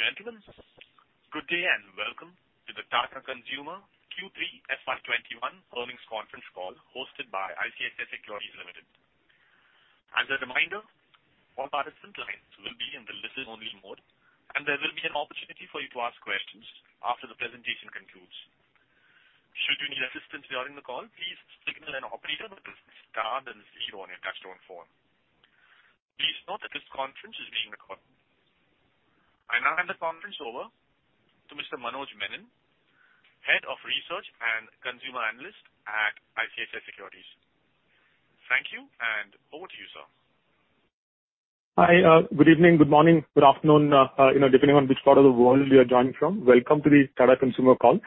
Ladies and gentlemen, good day and welcome to the Tata Consumer Q3 FY 2021 earnings conference call hosted by ICICI Securities Limited. I now hand the conference over to Mr. Manoj Menon, Head of Research and Consumer Analyst at ICICI Securities. Thank you, and over to you, sir. Hi. Good evening, good morning, good afternoon, depending on which part of the world you are joining from. Welcome to the Tata Consumer call.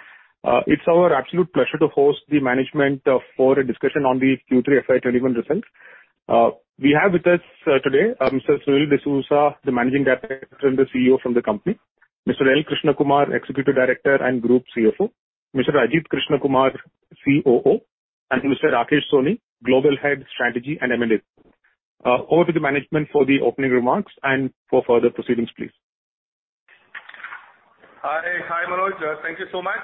It's our absolute pleasure to host the management for a discussion on the Q3 FY 2021 results. We have with us today, Mr. Sunil D'Souza, the Managing Director and the CEO from the company, Mr. L. Krishnakumar, Executive Director and Group CFO, Mr. Ajit Krishnakumar, COO, and Mr. Rakesh Sony, Global Head, Strategy and M&A. Over to the management for the opening remarks and for further proceedings, please. Hi, Manoj. Thank you so much.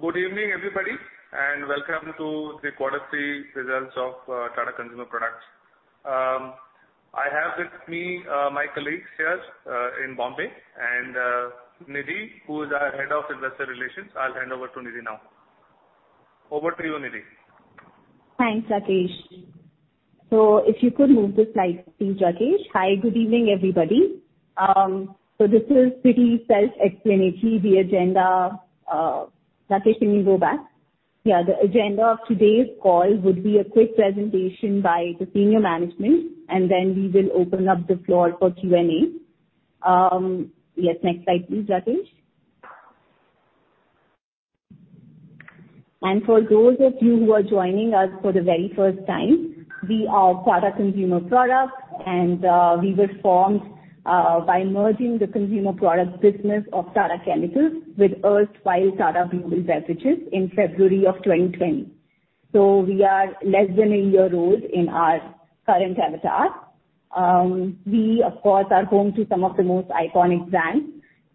Good evening, everybody, and welcome to the quarter three results of Tata Consumer Products. I have with me my colleagues here in Bombay and Nidhi, who is our Head of Investor Relations. I'll hand over to Nidhi now. Over to you, Nidhi. Thanks, Rakesh. If you could move the slide, please, Rakesh. Hi, good evening, everybody. This is pretty self-explanatory, the agenda. Rakesh, can you go back? The agenda of today's call would be a quick presentation by the senior management, and then we will open up the floor for Q&A. Next slide, please, Rakesh. For those of you who are joining us for the very first time, we are Tata Consumer Products, and we were formed by merging the consumer products business of Tata Chemicals with erstwhile Tata Global Beverages in February of 2020. We are less than a year old in our current avatar. We, of course, are home to some of the most iconic brands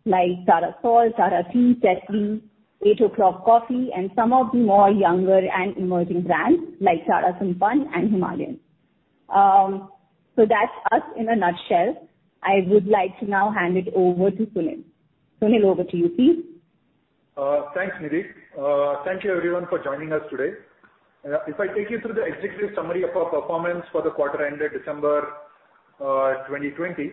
like Tata Salt, Tata Tea, Tetley, Eight O'Clock Coffee, and some of the more younger and emerging brands like Tata Sampann and Himalayan. That's us in a nutshell. I would like to now hand it over to Sunil. Sunil, over to you, please. Thanks, Nidhi. Thank you everyone for joining us today. If I take you through the executive summary of our performance for the quarter ended December 2020.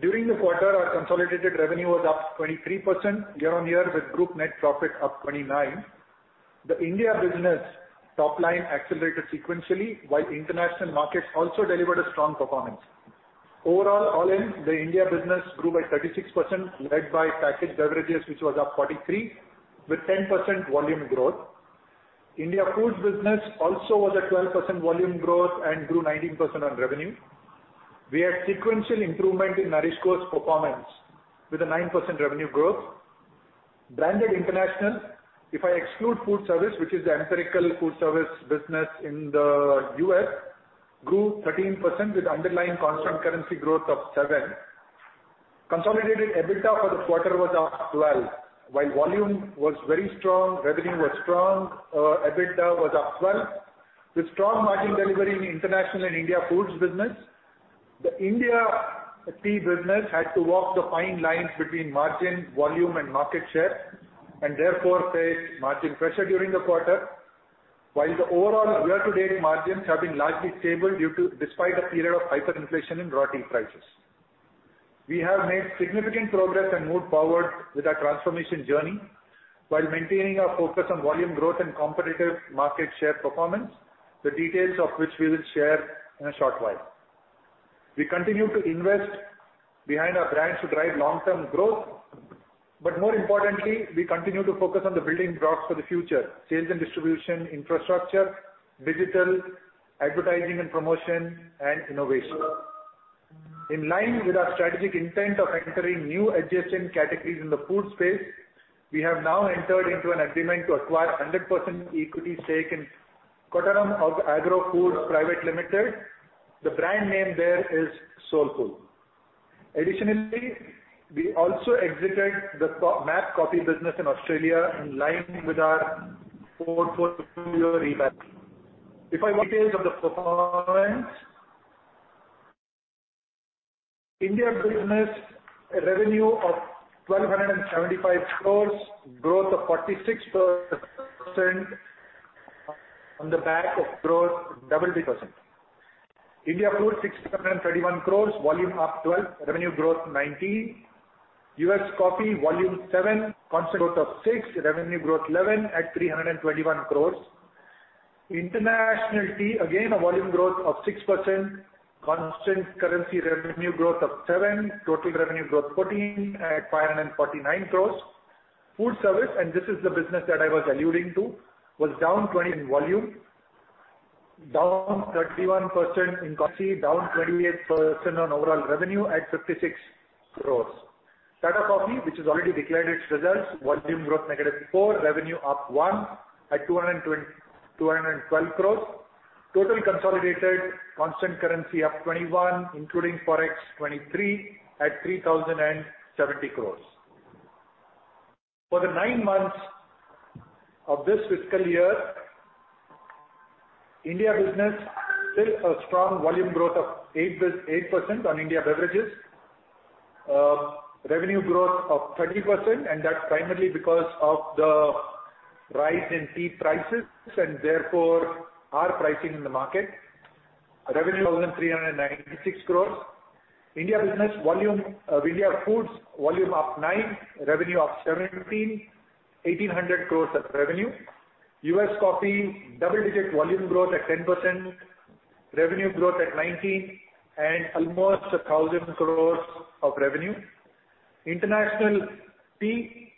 During the quarter, our consolidated revenue was up 23% year-on-year with group net profit up 29%. The India business top line accelerated sequentially, while international markets also delivered a strong performance. Overall, all in, the India business grew by 33%, led by packaged beverages, which was up 43% with 10% volume growth. India foods business also was at 12% volume growth and grew 19% on revenue. We had sequential improvement in NourishCo's performance with a 9% revenue growth. Branded international, if I exclude food service, which is the Empirical food service business in the U.S., grew 13% with underlying constant currency growth of 7%. Consolidated EBITDA for the quarter was up 12%, while volume was very strong, revenue was strong, EBITDA was up 12%, with strong margin delivery in international and India foods business. The India tea business had to walk the fine lines between margin, volume, and market share, and therefore, faced margin pressure during the quarter. While the overall year-to-date margins have been largely stable despite a period of hyperinflation in raw tea prices. We have made significant progress and moved forward with our transformation journey while maintaining our focus on volume growth and competitive market share performance, the details of which we will share in a short while. We continue to invest behind our brands to drive long-term growth. More importantly, we continue to focus on the building blocks for the future: sales and distribution infrastructure, digital advertising and promotion, and innovation. In line with our strategic intent of entering new adjacent categories in the food space, we have now entered into an agreement to acquire 100% equity stake in Kottaram Agro Foods Private Limited. The brand name there is Soulfull. Additionally, we also exited the MAP Coffee business in Australia in line with our portfolio revamp. If I go over the details of the performance. India business revenue of 1,275 crores, growth of 46% on the back of growth 60%. India food, 631 crores, volume up 12%, revenue growth 19. U.S. coffee, volume 7%, constant growth of 6%, revenue growth 11% at 321 crores. International tea, again, a volume growth of 6%, constant currency revenue growth of 7%, total revenue growth 14% at 549 crores. Food service, and this is the business that I was alluding to, was down 20% in volume, down 31% in currency, down 28% on overall revenue at 56 crores. Tata Coffee, which has already declared its results, volume growth -4%, revenue up 1% at 212 crores. Total consolidated constant currency up 21%, including Forex 23% at 3,070 crores. For the nine months of this fiscal year, India business, still a strong volume growth of 8% on India beverages. Revenue growth of 30%, that's primarily because of the rise in tea prices and therefore our pricing in the market. Revenue, 1,396 crores. India Foods volume up 9%, revenue up 1,700 crores-1,800 crores of revenue. U.S. Coffee, double-digit volume growth at 10%, revenue growth at 19%, and almost 1,000 crores of revenue. International Tea,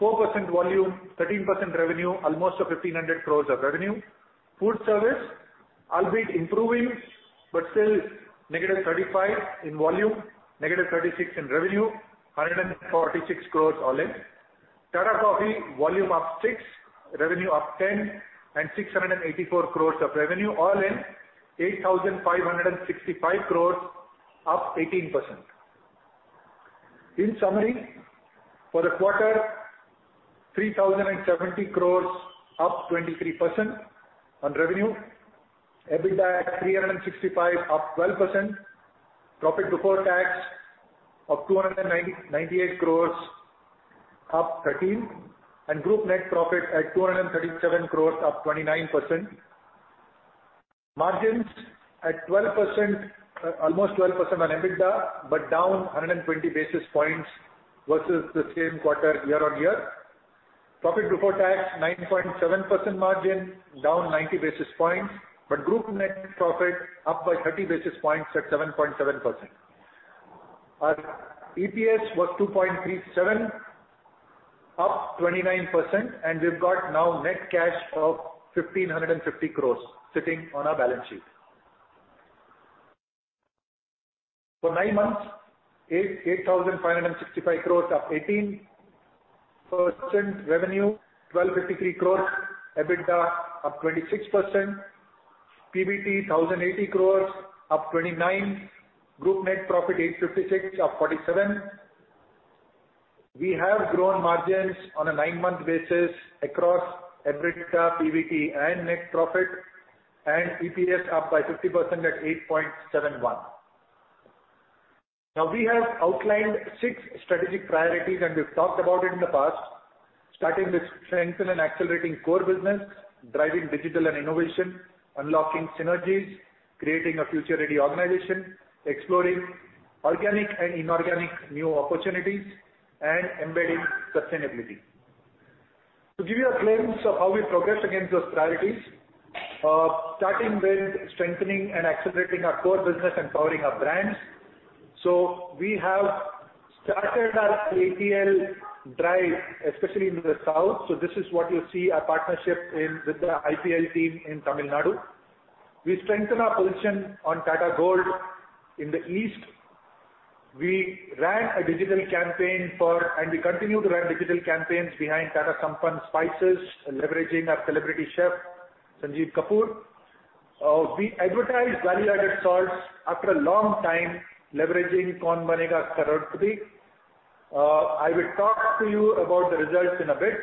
4% volume, 13% revenue, almost 1,500 crores of revenue. Food Service, albeit improving, but still -35% in volume, -36% in revenue, 146 crores all in. Tata Coffee, volume up 6%, revenue up 10%, 684 crores of revenue. All in, 8,565 crores, up 18%. In summary, for the quarter 3,070 crores, up 23% on revenue. EBITDA at 365 crores, up 12%. Profit before tax up 298 crores, up 13%. Group net profit at 237 crores, up 29%. Margins at almost 12% on EBITDA, down 120 basis points versus the same quarter year-on-year. Profit before tax, 9.7% margin, down 90 basis points, group net profit up by 30 basis points at 7.7%. Our EPS was 2.37, up 29%, we've got now net cash of 1,550 crores sitting on our balance sheet. For nine months, 8,565 crores, up 18% revenue, 1,253 crores EBITDA, up 26%. PBT 1,080 crores, up 29%. Group net profit 856, up 47%. We have grown margins on a nine-month basis across EBITDA, PBT, and net profit, and EPS up by 50% at 8.71. Now we have outlined six strategic priorities and we've talked about it in the past, starting with strengthen and accelerating core business, driving digital and innovation, unlocking synergies, creating a future-ready organization, exploring organic and inorganic new opportunities, and embedding sustainability. To give you a glimpse of how we progress against those priorities, starting with strengthening and accelerating our core business and powering our brands. We have started our IPL drive, especially into the South. This is what you see our partnership with the IPL team in Tamil Nadu. We strengthen our position on Tata Gold in the East. We ran a digital campaign for, and we continue to run digital campaigns behind Tata Sampann Spices, leveraging our celebrity Chef, Sanjeev Kapoor. We advertise value-added salts after a long time leveraging Kaun Banega Crorepati. I will talk to you about the results in a bit.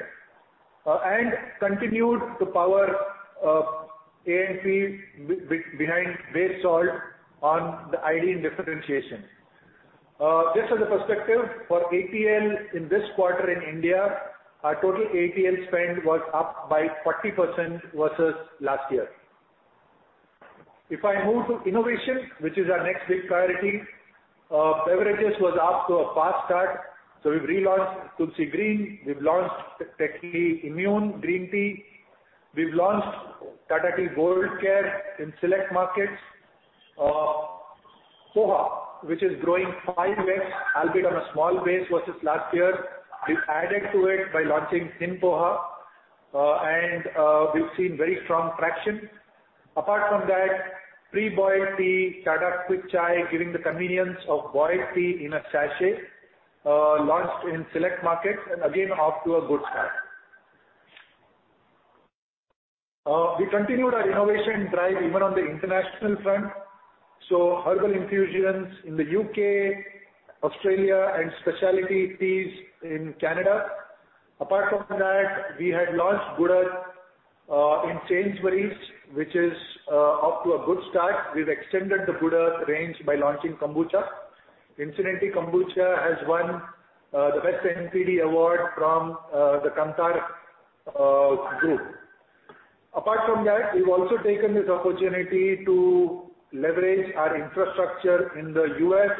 Continued to power A&P behind base salt on the idea and differentiation. Just as a perspective for IPL in this quarter in India, our total IPL spend was up by 40% versus last year. If I move to innovation, which is our next big priority, beverages was off to a fast start. We've relaunched Tulsi Green. We've launched Tetley Immune, green tea. We've launched Tata Tea Gold Care in select markets. Poha, which is growing 5x, albeit on a small base versus last year. We've added to it by launching Thin Poha, and we've seen very strong traction. Apart from that, pre-boiled tea, Tata Quick Chai, giving the convenience of boiled tea in a sachet, launched in select markets and again off to a good start. We continued our innovation drive even on the international front, so herbal infusions in the U.K., Australia, and specialty teas in Canada. Apart from that, we had launched Good Earth in Sainsbury's, which is off to a good start. We've extended the Good Earth range by launching Kombucha. Incidentally, Kombucha has won the best NPD award from the Kantar Group. Apart from that, we've also taken this opportunity to leverage our infrastructure in the U.S.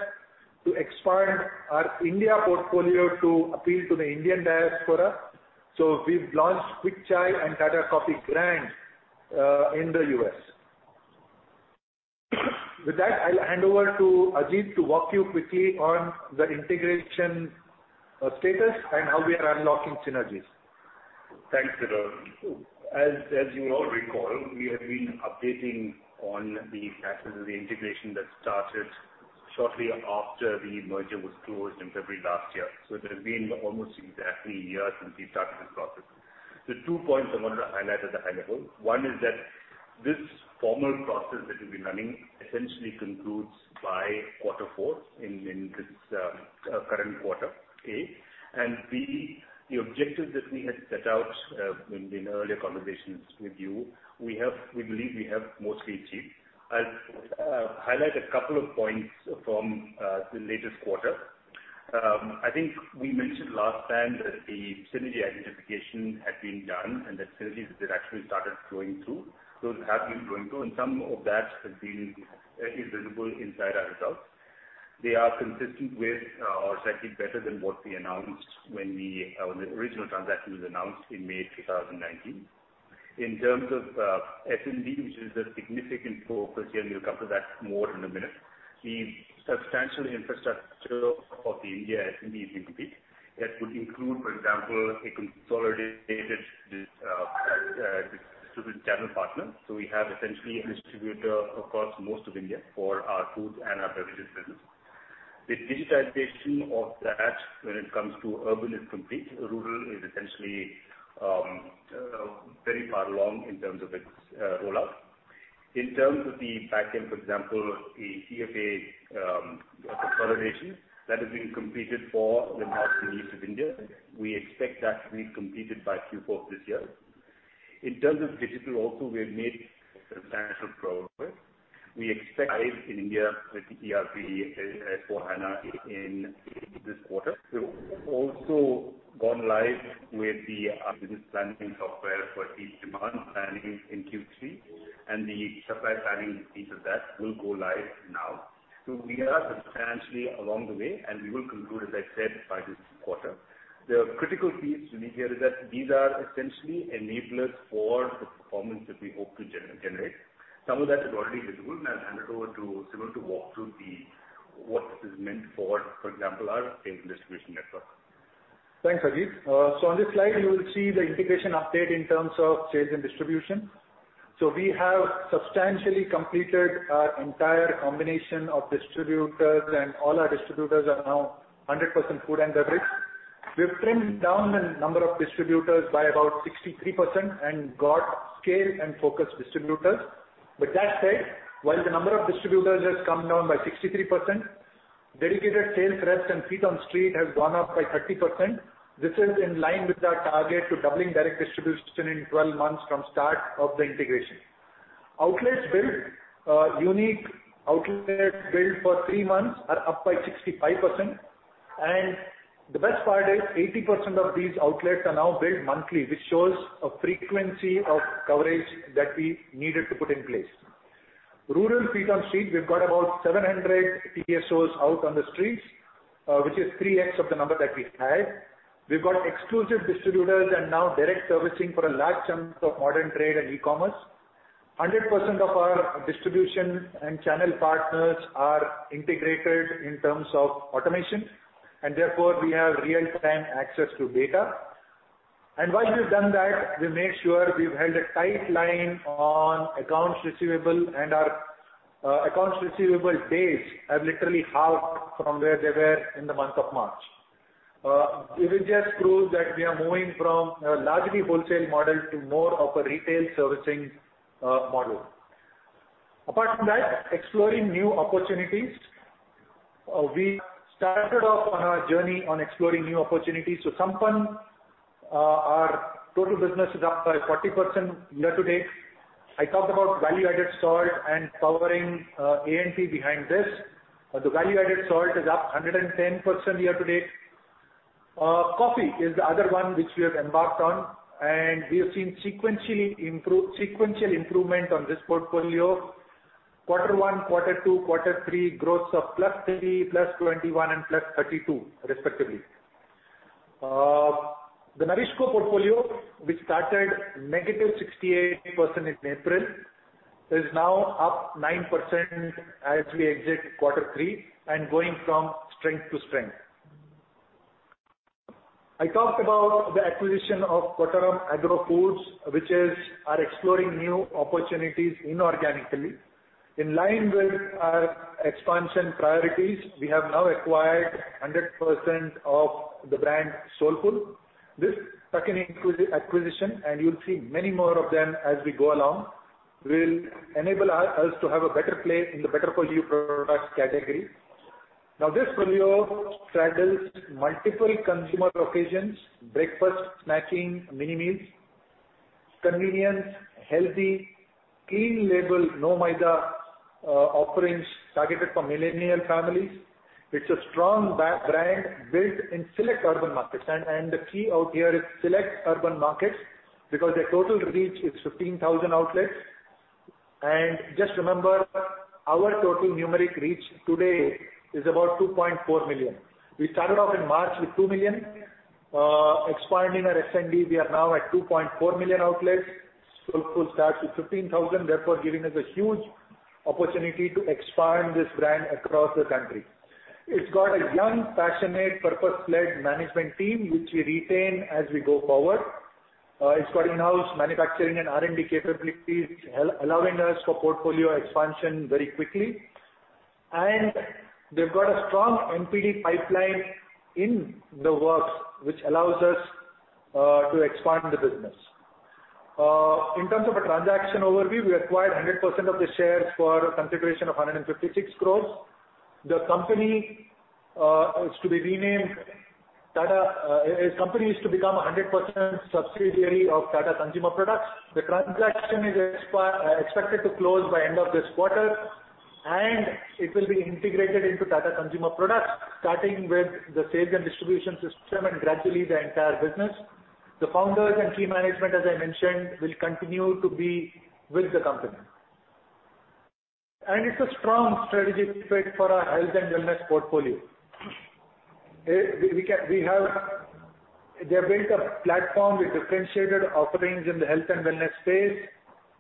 to expand our India portfolio to appeal to the Indian diaspora. We've launched Quick Chai and Tata Coffee brand in the U.S. With that, I'll hand over to Ajit to walk you quickly on the integration status and how we are unlocking synergies. Thanks, Sunil. As you all recall, we have been updating on the status of the integration that started shortly after the merger was closed in February last year. It has been almost exactly a year since we started this process. Two points I wanted to highlight at the high level. One is that this formal process that we've been running essentially concludes by quarter four in this current quarter, A. B, the objectives that we had set out in earlier conversations with you, we believe we have mostly achieved. I'll highlight a couple of points from the latest quarter. I think we mentioned last time that the synergy identification had been done and that synergies had actually started flowing through. Those have been flowing through, and some of that has been visible inside our results. They are consistent with or slightly better than what we announced when our original transaction was announced in May 2019. In terms of F&B, which is a significant focus here, and we will come to that more in a minute, the substantial infrastructure of the India F&B is complete. That would include, for example, a consolidated distribution channel partner. We have essentially a distributor across most of India for our food and our beverages business. The digitization of that when it comes to urban is complete. Rural is essentially very far along in terms of its rollout. In terms of the backend, for example, the CFA consolidation, that has been completed for the north and east of India. We expect that to be completed by Q4 of this year. In terms of digital also, we have made substantial progress. We expect to go live in India with SAP S/4HANA in this quarter. We've also gone live with our business planning software for peak demand planning in Q3, and the supply planning piece of that will go live now. We are substantially along the way, and we will conclude, as I said, by this quarter. The critical piece to me here is that these are essentially enablers for the performance that we hope to generate. Some of that is already visible, and I'll hand it over to Sunil to walk through what this is meant for example, our sales distribution network. Thanks, Ajit. On this slide, you will see the integration update in terms of sales and distribution. We have substantially completed our entire combination of distributors, and all our distributors are now 100% food and beverage. We've trimmed down the number of distributors by about 63% and got scale and focus distributors. With that said, while the number of distributors has come down by 63%, dedicated sales reps and feet on street has gone up by 30%. This is in line with our target to doubling direct distribution in 12 months from start of the integration. Unique outlet build for three months are up by 65%, and the best part is 80% of these outlets are now built monthly, which shows a frequency of coverage that we needed to put in place. Rural feet on street, we've got about 700 TSOs out on the streets, which is 3x of the number that we had. We've got exclusive distributors and now direct servicing for a large chunk of modern trade and e-commerce. 100% of our distribution and channel partners are integrated in terms of automation, therefore, we have real-time access to data. While we've done that, we made sure we've held a tight line on accounts receivable, and our accounts receivable days have literally halved from where they were in the month of March, which just proves that we are moving from a largely wholesale model to more of a retail servicing model. Apart from that, exploring new opportunities. We started off on our journey on exploring new opportunities. Sampann, our total business is up by 40% year to date. I talked about value-added salt and powering A&P behind this. The value-added salt is up 110% year to date. Coffee is the other one which we have embarked on, and we have seen sequential improvement on this portfolio. Quarter one, quarter two, quarter three growths of +30, +21, and +32, respectively. The NourishCo portfolio, which started -68% in April, is now up 9% as we exit quarter three and going from strength to strength. I talked about the acquisition of Kottaram Agro Foods, which are exploring new opportunities inorganically. In line with our expansion priorities, we have now acquired 100% of the brand Soulfull. This second acquisition, and you'll see many more of them as we go along, will enable us to have a better play in the better portfolio products category. This portfolio straddles multiple consumer occasions, breakfast, snacking, mini meals, convenience, healthy, clean label, no maida offerings targeted for millennial families. It's a strong brand built in select urban markets, and the key out here is select urban markets, because their total reach is 15,000 outlets. Just remember, our total numeric reach today is about 2.4 million. We started off in March with 2 million. Expanding our F&B, we are now at 2.4 million outlets. Soulfull starts with 15,000, therefore giving us a huge opportunity to expand this brand across the country. It's got a young, passionate, purpose-led management team, which we retain as we go forward. It's got in-house manufacturing and R&D capabilities, allowing us for portfolio expansion very quickly. They've got a strong NPD pipeline in the works, which allows us to expand the business. In terms of a transaction overview, we acquired 100% of the shares for a consideration of 156 crores. The company is to become 100% subsidiary of Tata Consumer Products. The transaction is expected to close by end of this quarter, and it will be integrated into Tata Consumer Products, starting with the sales and distribution system and gradually the entire business. The founders and key management, as I mentioned, will continue to be with the company. It's a strong strategic fit for our health and wellness portfolio. They have built a platform with differentiated offerings in the health and wellness space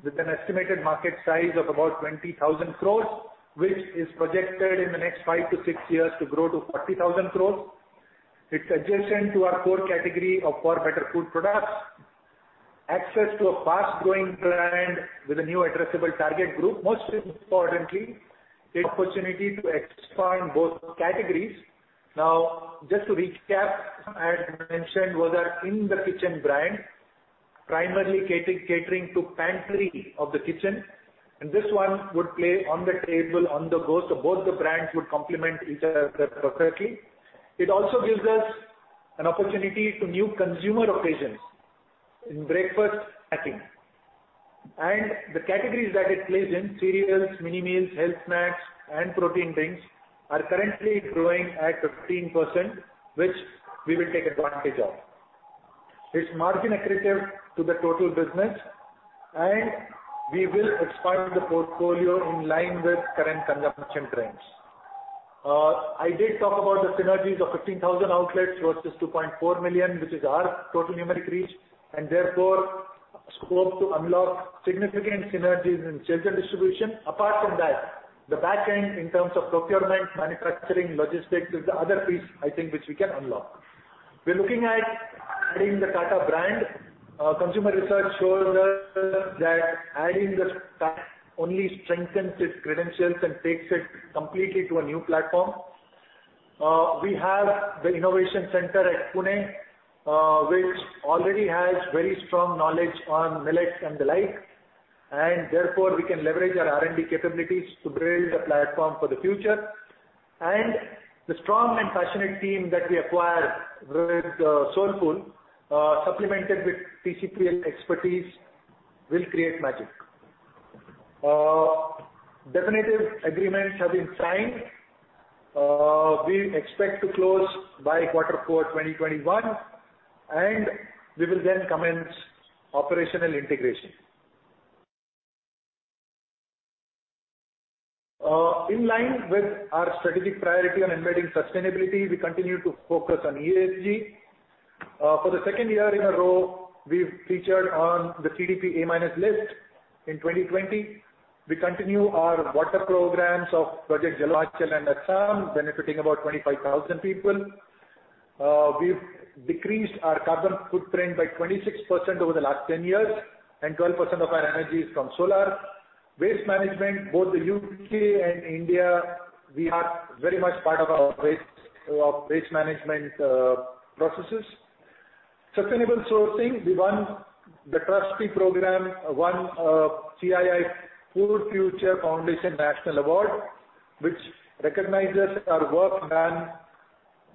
with an estimated market size of about 20,000 crores, which is projected in the next five to six years to grow to 40,000 crores. It's adjacent to our core category of for-better food products, access to a fast-growing brand with a new addressable target group. Most importantly, the opportunity to expand both categories. Now, just to recap, as mentioned, was our In the Kitchen brand, primarily catering to pantry of the kitchen, and this one would play on the table. Both the brands would complement each other perfectly. It also gives us an opportunity to new consumer occasions in breakfast packing. The categories that it plays in, cereals, mini-meals, health snacks, and protein drinks, are currently growing at 15%, which we will take advantage of. It's margin accretive to the total business, and we will expand the portfolio in line with current consumption trends. I did talk about the synergies of 15,000 outlets versus 2.4 million, which is our total numeric reach, and therefore scope to unlock significant synergies in sales and distribution. Apart from that, the back end in terms of procurement, manufacturing, logistics is the other piece, I think, which we can unlock. We're looking at adding the Tata brand. Consumer research shows us that adding the Tata only strengthens its credentials and takes it completely to a new platform. We have the innovation center at Pune, which already has very strong knowledge on millets and the like, and therefore we can leverage our R&D capabilities to build a platform for the future. The strong and passionate team that we acquired with Soulfull, supplemented with TCPL expertise, will create magic. Definitive agreements have been signed. We expect to close by quarter four 2021, and we will then commence operational integration. In line with our strategic priority on embedding sustainability, we continue to focus on ESG. For the second year in a row, we've featured on the CDP A- list. In 2020, we continue our water programs of Project Jalodari in Assam, benefiting about 25,000 people. We've decreased our carbon footprint by 26% over the last 10 years, and 12% of our energy is from solar. Waste management, both the U.K. and India, we are very much part of our waste management processes. Sustainable sourcing. We won the Trustea program, won CII Food Future Foundation National Award, which recognizes our work done.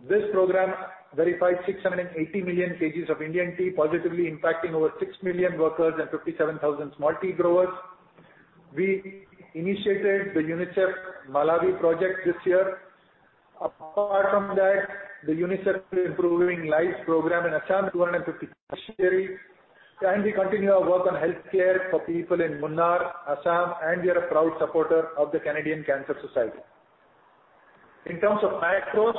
This program verified 680 million kgs of Indian tea, positively impacting over 6 million workers and 57,000 small tea growers. We initiated the UNICEF Malawi project this year. Apart from that, the UNICEF Improving Lives program in Assam, 250 beneficiaries, and we continue our work on healthcare for people in Munnar, Assam, and we are a proud supporter of the Canadian Cancer Society. In terms of macros,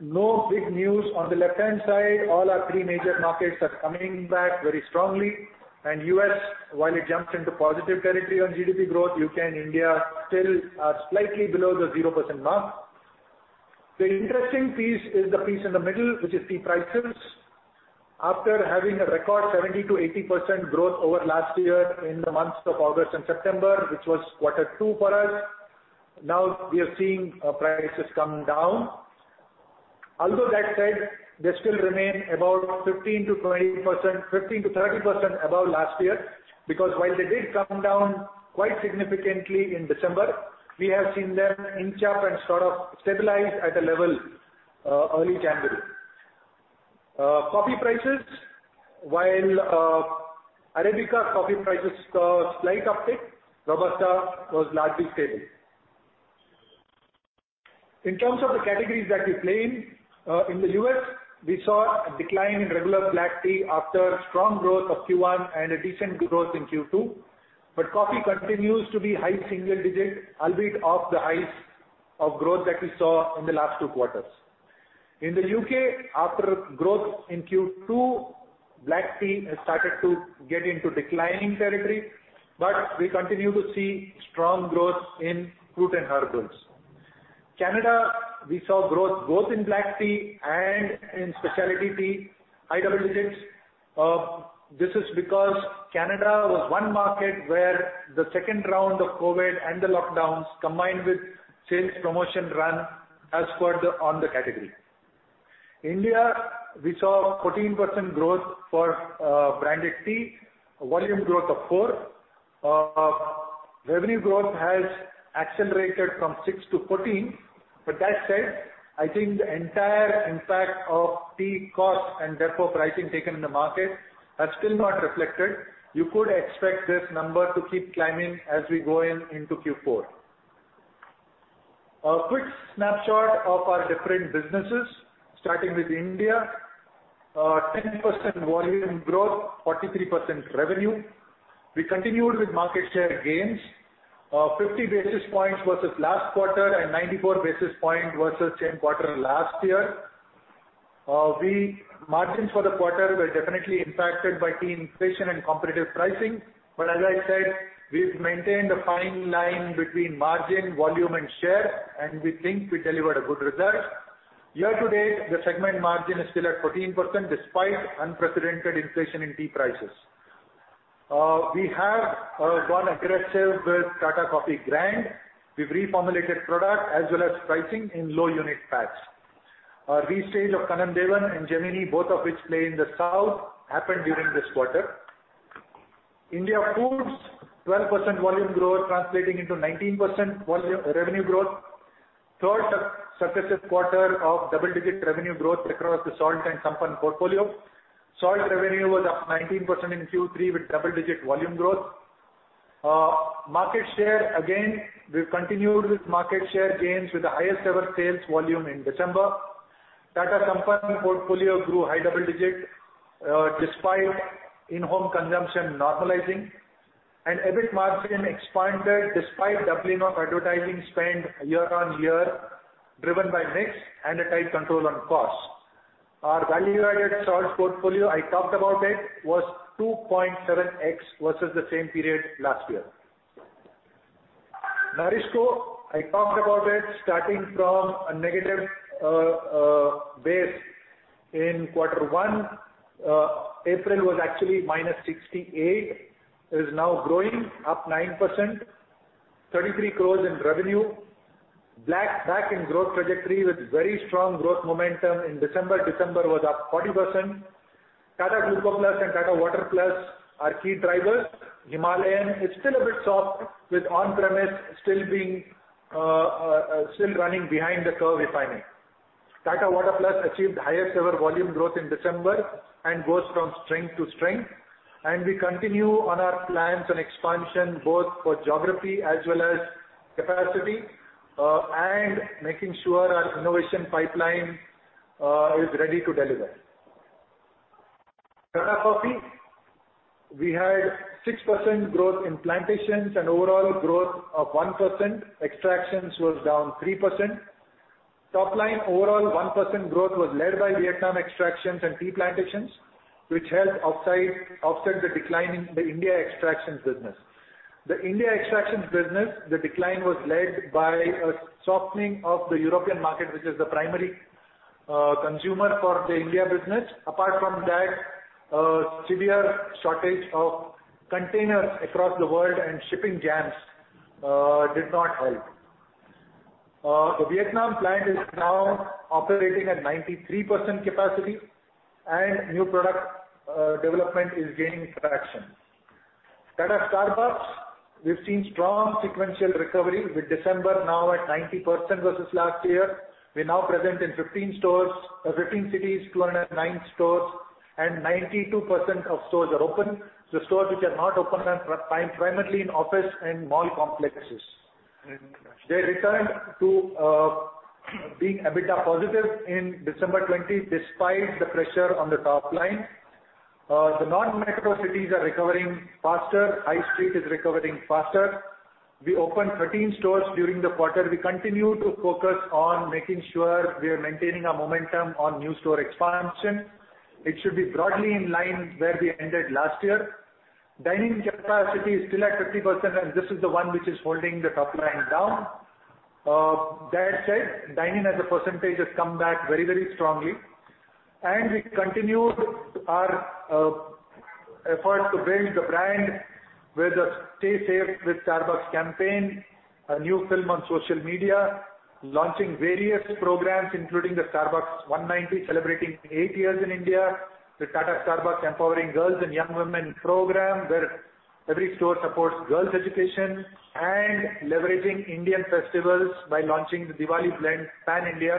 no big news. On the left-hand side, all our three major markets are coming back very strongly. U.S., while it jumps into positive territory on GDP growth, U.K. and India still are slightly below the 0% mark. The interesting piece is the piece in the middle, which is tea prices. After having a record 70%-80% growth over last year in the months of August and September, which was quarter two for us, now we are seeing prices come down. That said, they still remain about 15%-30% above last year, because while they did come down quite significantly in December, we have seen them inch up and sort of stabilize at a level early January. Coffee prices, while Arabica coffee prices saw a slight uptick, Robusta was largely stable. In terms of the categories that we play in the U.S., we saw a decline in regular black tea after strong growth of Q1 and a decent growth in Q2. Coffee continues to be high-single-digit, albeit off the highs of growth that we saw in the last two quarters. In the U.K., after growth in Q2, black tea has started to get into declining territory, we continue to see strong growth in fruit and herbals. Canada, we saw growth both in black tea and in specialty tea, high double-digits. This is because Canada was one market where the second round of COVID and the lockdowns, combined with sales promotion run, has spurred on the category. India, we saw 14% growth for branded tea, a volume growth of four. Revenue growth has accelerated from 6%-14%. That said, I think the entire impact of tea cost, and therefore pricing taken in the market, are still not reflected. You could expect this number to keep climbing as we go into Q4. A quick snapshot of our different businesses. Starting with India, 10% volume growth, 43% revenue. We continued with market share gains. 50 basis points versus last quarter and 94 basis points versus same quarter last year. Margins for the quarter were definitely impacted by tea inflation and competitive pricing. As I said, we've maintained a fine line between margin, volume, and share, and we think we delivered a good result. Year-to-date, the segment margin is still at 14%, despite unprecedented inflation in tea prices. We have gone aggressive with Tata Coffee brand. We've reformulated product as well as pricing in low unit packs. Restage of Kanan Devan and Gemini, both of which play in the South, happened during this quarter. India foods, 12% volume growth translating into 19% revenue growth. Third successive quarter of double-digit revenue growth across the salt and Sampann portfolio. Salt revenue was up 19% in Q3 with double-digit volume growth. Market share, again, we've continued with market share gains with the highest-ever sales volume in December. Tata Sampann portfolio grew high-double digits despite in-home consumption normalizing, and EBIT margin expanded despite doubling of advertising spend year-on-year, driven by mix and a tight control on cost. Our value-added salt portfolio, I talked about it, was 2.7x versus the same period last year. NourishCo, I talked about it, starting from a negative base in quarter one. April was actually -6%-8%. It is now growing up 9%, 33 crores in revenue. Back in growth trajectory with very strong growth momentum in December. December was up 40%. Tata Gluco+ and Tata Water+ are key drivers. Himalayan is still a bit soft with on-premise still running behind the curve, if I may. Tata Water+ achieved highest ever volume growth in December and goes from strength to strength. We continue on our plans and expansion, both for geography as well as capacity, and making sure our innovation pipeline is ready to deliver. Tata Coffee, we had 6% growth in plantations, and overall growth of 1%. Extractions was down 3%. Top line overall 1% growth was led by Vietnam extractions and tea plantations, which helped offset the decline in the India extractions business. The India extractions business, the decline was led by a softening of the European market, which is the primary consumer for the India business. Apart from that, severe shortage of containers across the world and shipping jams did not help. The Vietnam plant is now operating at 93% capacity and new product development is gaining traction. Tata Starbucks, we've seen strong sequential recovery with December now at 90% versus last year. We're now present in 15 cities, 209 stores, and 92% of stores are open. The stores which are not open are primarily in office and mall complexes. They returned to being EBITDA positive in December 2020, despite the pressure on the top line. The non-metro cities are recovering faster. High Street is recovering faster. We opened 13 stores during the quarter. We continue to focus on making sure we are maintaining our momentum on new store expansion. It should be broadly in line where we ended last year. Dine-in capacity is still at 50%, and this is the one which is holding the top line down. That said, dine-in as a percentage has come back very strongly. We continued our effort to build the brand with the Stay Safe with Starbucks campaign, a new film on social media, launching various programs including the Starbucks 190, celebrating eight years in India, the Tata Starbucks Empowering Girls and Young Women program, where every store supports girls' education, and leveraging Indian festivals by launching the Diwali blend pan-India,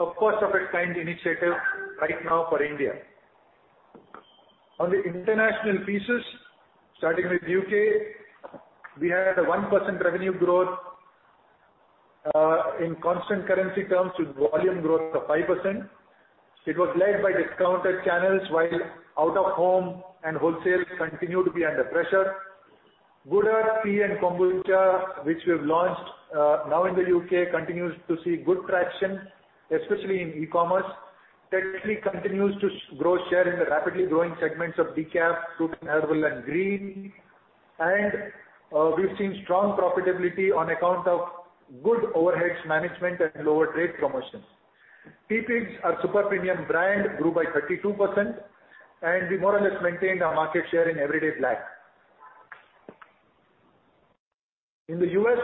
a first of its kind initiative right now for India. The international pieces, starting with U.K., we had a 1% revenue growth, in constant currency terms with volume growth of 5%. It was led by discounted channels, while out-of-home and wholesale continued to be under pressure. Good Earth tea and kombucha, which we've launched now in the U.K., continues to see good traction, especially in e-commerce. Tetley continues to grow share in the rapidly growing segments of decaf, fruit and herbal, and green. We've seen strong profitability on account of good overheads management and lower trade promotions. Tetley, our super premium brand, grew by 32%, and we more or less maintained our market share in Everyday Black. In the U.S.,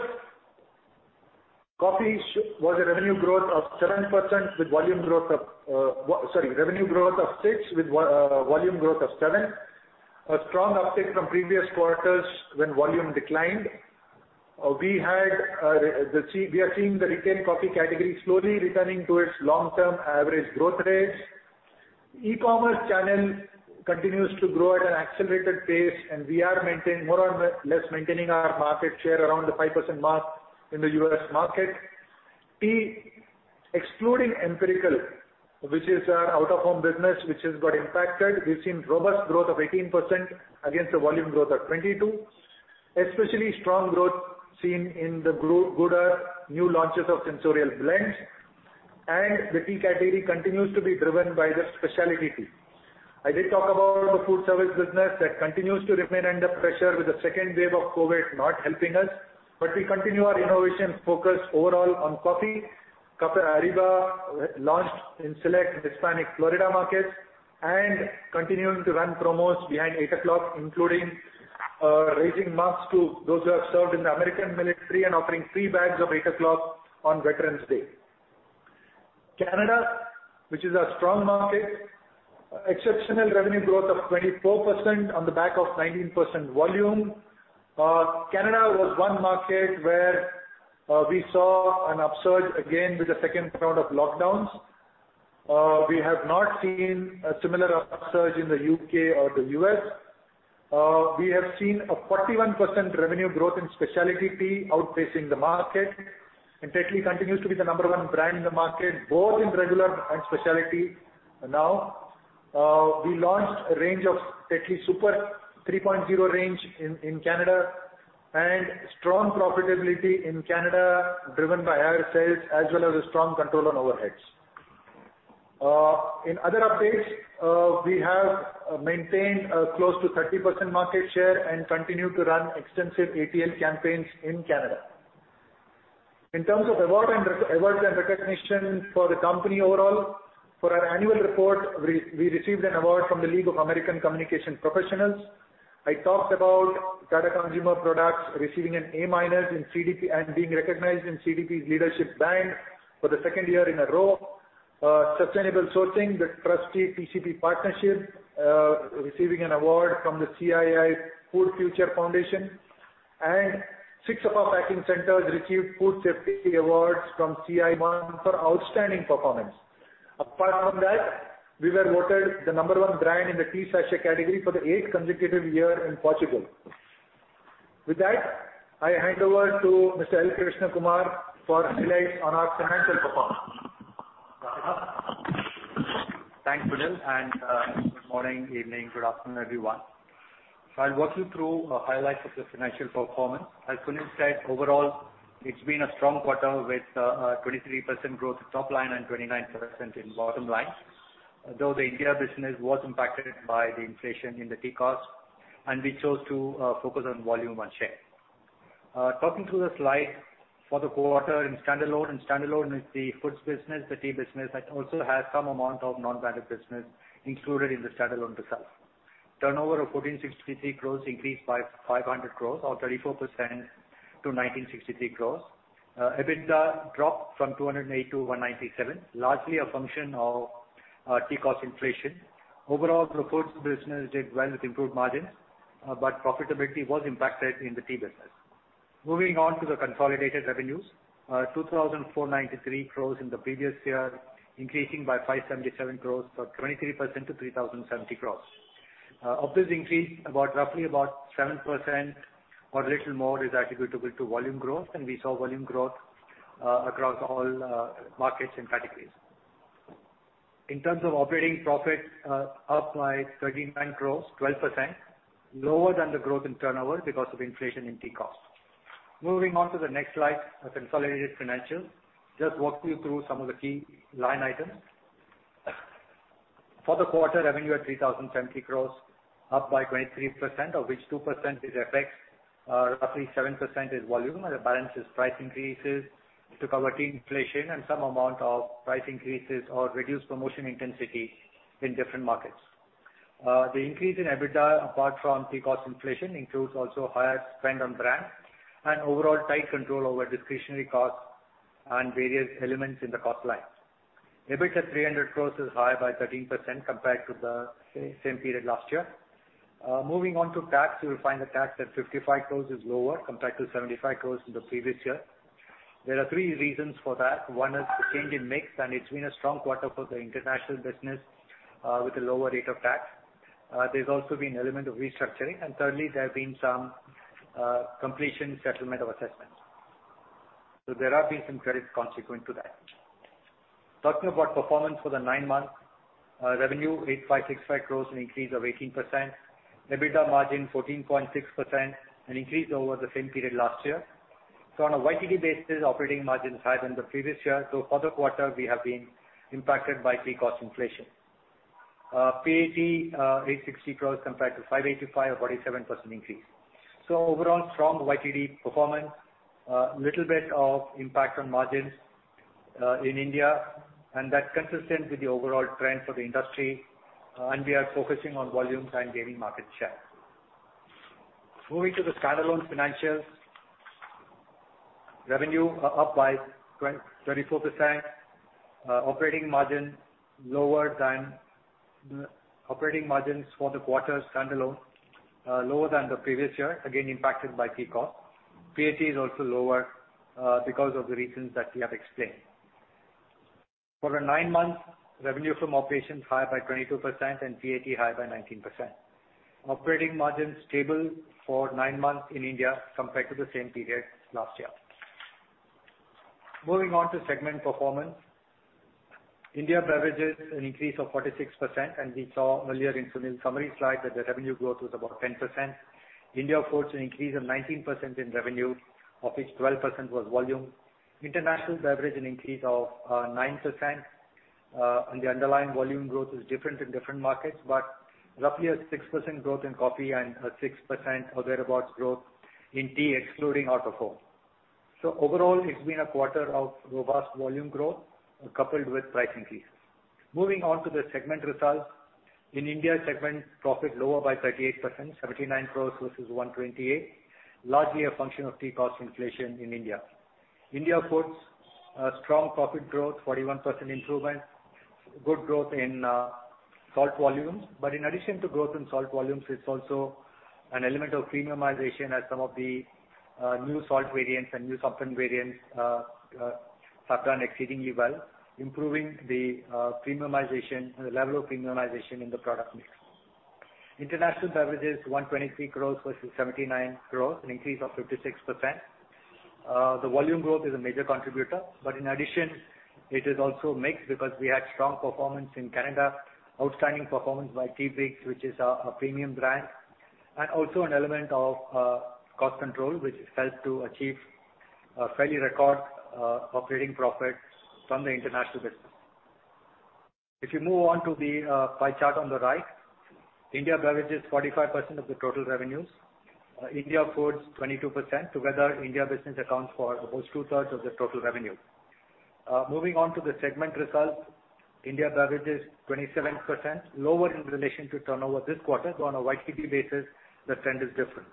coffee was a revenue growth of 6%, with volume growth of 7%. A strong uptick from previous quarters when volume declined. We are seeing the retail coffee category slowly returning to its long-term average growth rates. E-commerce channel continues to grow at an accelerated pace, and we are more or less maintaining our market share around the 5% mark in the U.S. market. Tea, excluding Empirical, which is our out-of-home business, which has got impacted. We've seen robust growth of 18% against a volume growth of 22. Especially strong growth seen in the Good Earth new launches of Sensorial blends, and the tea category continues to be driven by the specialty tea. I did talk about the foodservice business that continues to remain under pressure with the second wave of COVID not helping us, but we continue our innovation focus overall on coffee. Café Arriba launched in select Hispanic Florida markets, and continuing to run promos behind Eight O'Clock, including raising masks to those who have served in the American military and offering free bags of Eight O'Clock on Veterans Day. Canada, which is a strong market, exceptional revenue growth of 24% on the back of 19% volume. Canada was one market where we saw an upsurge again with the second round of lockdowns. We have not seen a similar upsurge in the U.K. or the U.S. We have seen a 41% revenue growth in specialty tea outpacing the market, and Tetley continues to be the number one brand in the market, both in regular and specialty now. We launched a range of Tetley Super 3.0 range in Canada, strong profitability in Canada, driven by higher sales as well as a strong control on overheads. In other updates, we have maintained close to 30% market share and continue to run extensive ATL campaigns in Canada. In terms of awards and recognition for the company overall, for our annual report, we received an award from the League of American Communications Professionals. I talked about Tata Consumer Products receiving an A- and being recognized in CDP's Leadership Band for the second year in a row. Sustainable sourcing with Trustea TCP Partnership, receiving an award from the CII Food Future Foundation, six of our packing centers received food safety awards from CII for outstanding performance. Apart from that, we were voted the number one brand in the tea sachet category for the eighth consecutive year in Portugal. With that, I hand over to Mr. L. Krishnakumar for highlights on our financial performance. Welcome. Thanks, Sunil, and good morning, evening, good afternoon, everyone. I'll walk you through highlights of the financial performance. As Sunil said, overall, it's been a strong quarter with a 23% growth in top line and 29% in bottom line. Though the India business was impacted by the inflation in the tea cost, and we chose to focus on volume and share. Talking through the slide for the quarter in standalone. In standalone is the foods business, the tea business that also has some amount of non-branded business included in the standalone results. Turnover of 1,463 crores increased by 500 crores or 34% to 1,963 crores. EBITDA dropped from 208 to 197, largely a function of tea cost inflation. Overall, the foods business did well with improved margins, but profitability was impacted in the tea business. Moving on to the consolidated revenues. 2,493 crores in the previous year, increasing by 577 crores or 23% to 3,070 crores. Of this increase, roughly about 7% or a little more is attributable to volume growth, and we saw volume growth across all markets and categories. In terms of operating profit, up by 39 crores, 12%, lower than the growth in turnover because of inflation in tea cost. Moving on to the next slide, our consolidated financials. Just walk you through some of the key line items. For the quarter, revenue at 3,070 crores, up by 23%, of which 2% is FX, roughly 7% is volume, and the balance is price increases to cover tea inflation and some amount of price increases or reduced promotion intensity in different markets. The increase in EBITDA, apart from tea cost inflation, includes also higher spend on brands and overall tight control over discretionary costs and various elements in the cost line. EBITDA 300 crores is high by 13% compared to the same period last year. Moving on to tax, you will find the tax at 55 crores is lower compared to 75 crores in the previous year. There are three reasons for that. One is the change in mix, it's been a strong quarter for the international business with a lower rate of tax. There's also been an element of restructuring. Thirdly, there have been some completion settlement of assessments. There have been some credits consequent to that. Talking about performance for the nine months, revenue 8,565 crores, an increase of 18%. EBITDA margin 14.6%, an increase over the same period last year. On a YTD basis, operating margins higher than the previous year. For the quarter, we have been impacted by tea cost inflation. PAT 860 crores compared to 585 crores, a 47% increase. Overall strong YTD performance, a little bit of impact on margins in India, and that's consistent with the overall trend for the industry, and we are focusing on volumes and gaining market share. Moving to the standalone financials. Revenue up by 24%. Operating margins for the quarter standalone, lower than the previous year, again impacted by tea cost. PAT is also lower because of the reasons that we have explained. For the nine months, revenue from operations higher by 22% and PAT higher by 19%. Operating margin stable for nine months in India compared to the same period last year. Moving on to segment performance. India beverages, an increase of 46%, and we saw earlier in Sunil's summary slide that the revenue growth was about 10%. India foods, an increase of 19% in revenue, of which 12% was volume. International beverage, an increase of 9%, and the underlying volume growth is different in different markets, but roughly a 6% growth in coffee and a 6% or thereabouts growth in tea, excluding out-of-home. Overall, it's been a quarter of robust volume growth coupled with price increase. Moving on to the segment results. In India segment profit lower by 38%, 79 crore versus 128 crore, largely a function of tea cost inflation in India. India foods, strong profit growth, 41% improvement, good growth in salt volumes. In addition to growth in salt volumes, it's also an element of premiumization as some of the new salt variants and new Sampann variants have done exceedingly well, improving the level of premiumization in the product mix. International beverages, 123 crores versus 79 crores, an increase of 56%. The volume growth is a major contributor, but in addition, it is also mixed because we had strong performance in Canada, outstanding performance by Teapigs, which is our premium brand, and also an element of cost control, which helped to achieve a fairly record operating profit from the international business. If you move on to the pie chart on the right, India beverages 45% of the total revenues. India foods 22%. Together, India business accounts for almost two-thirds of the total revenue. Moving on to the segment results. India beverages, 27% lower in relation to turnover this quarter. On a YTD basis, the trend is different.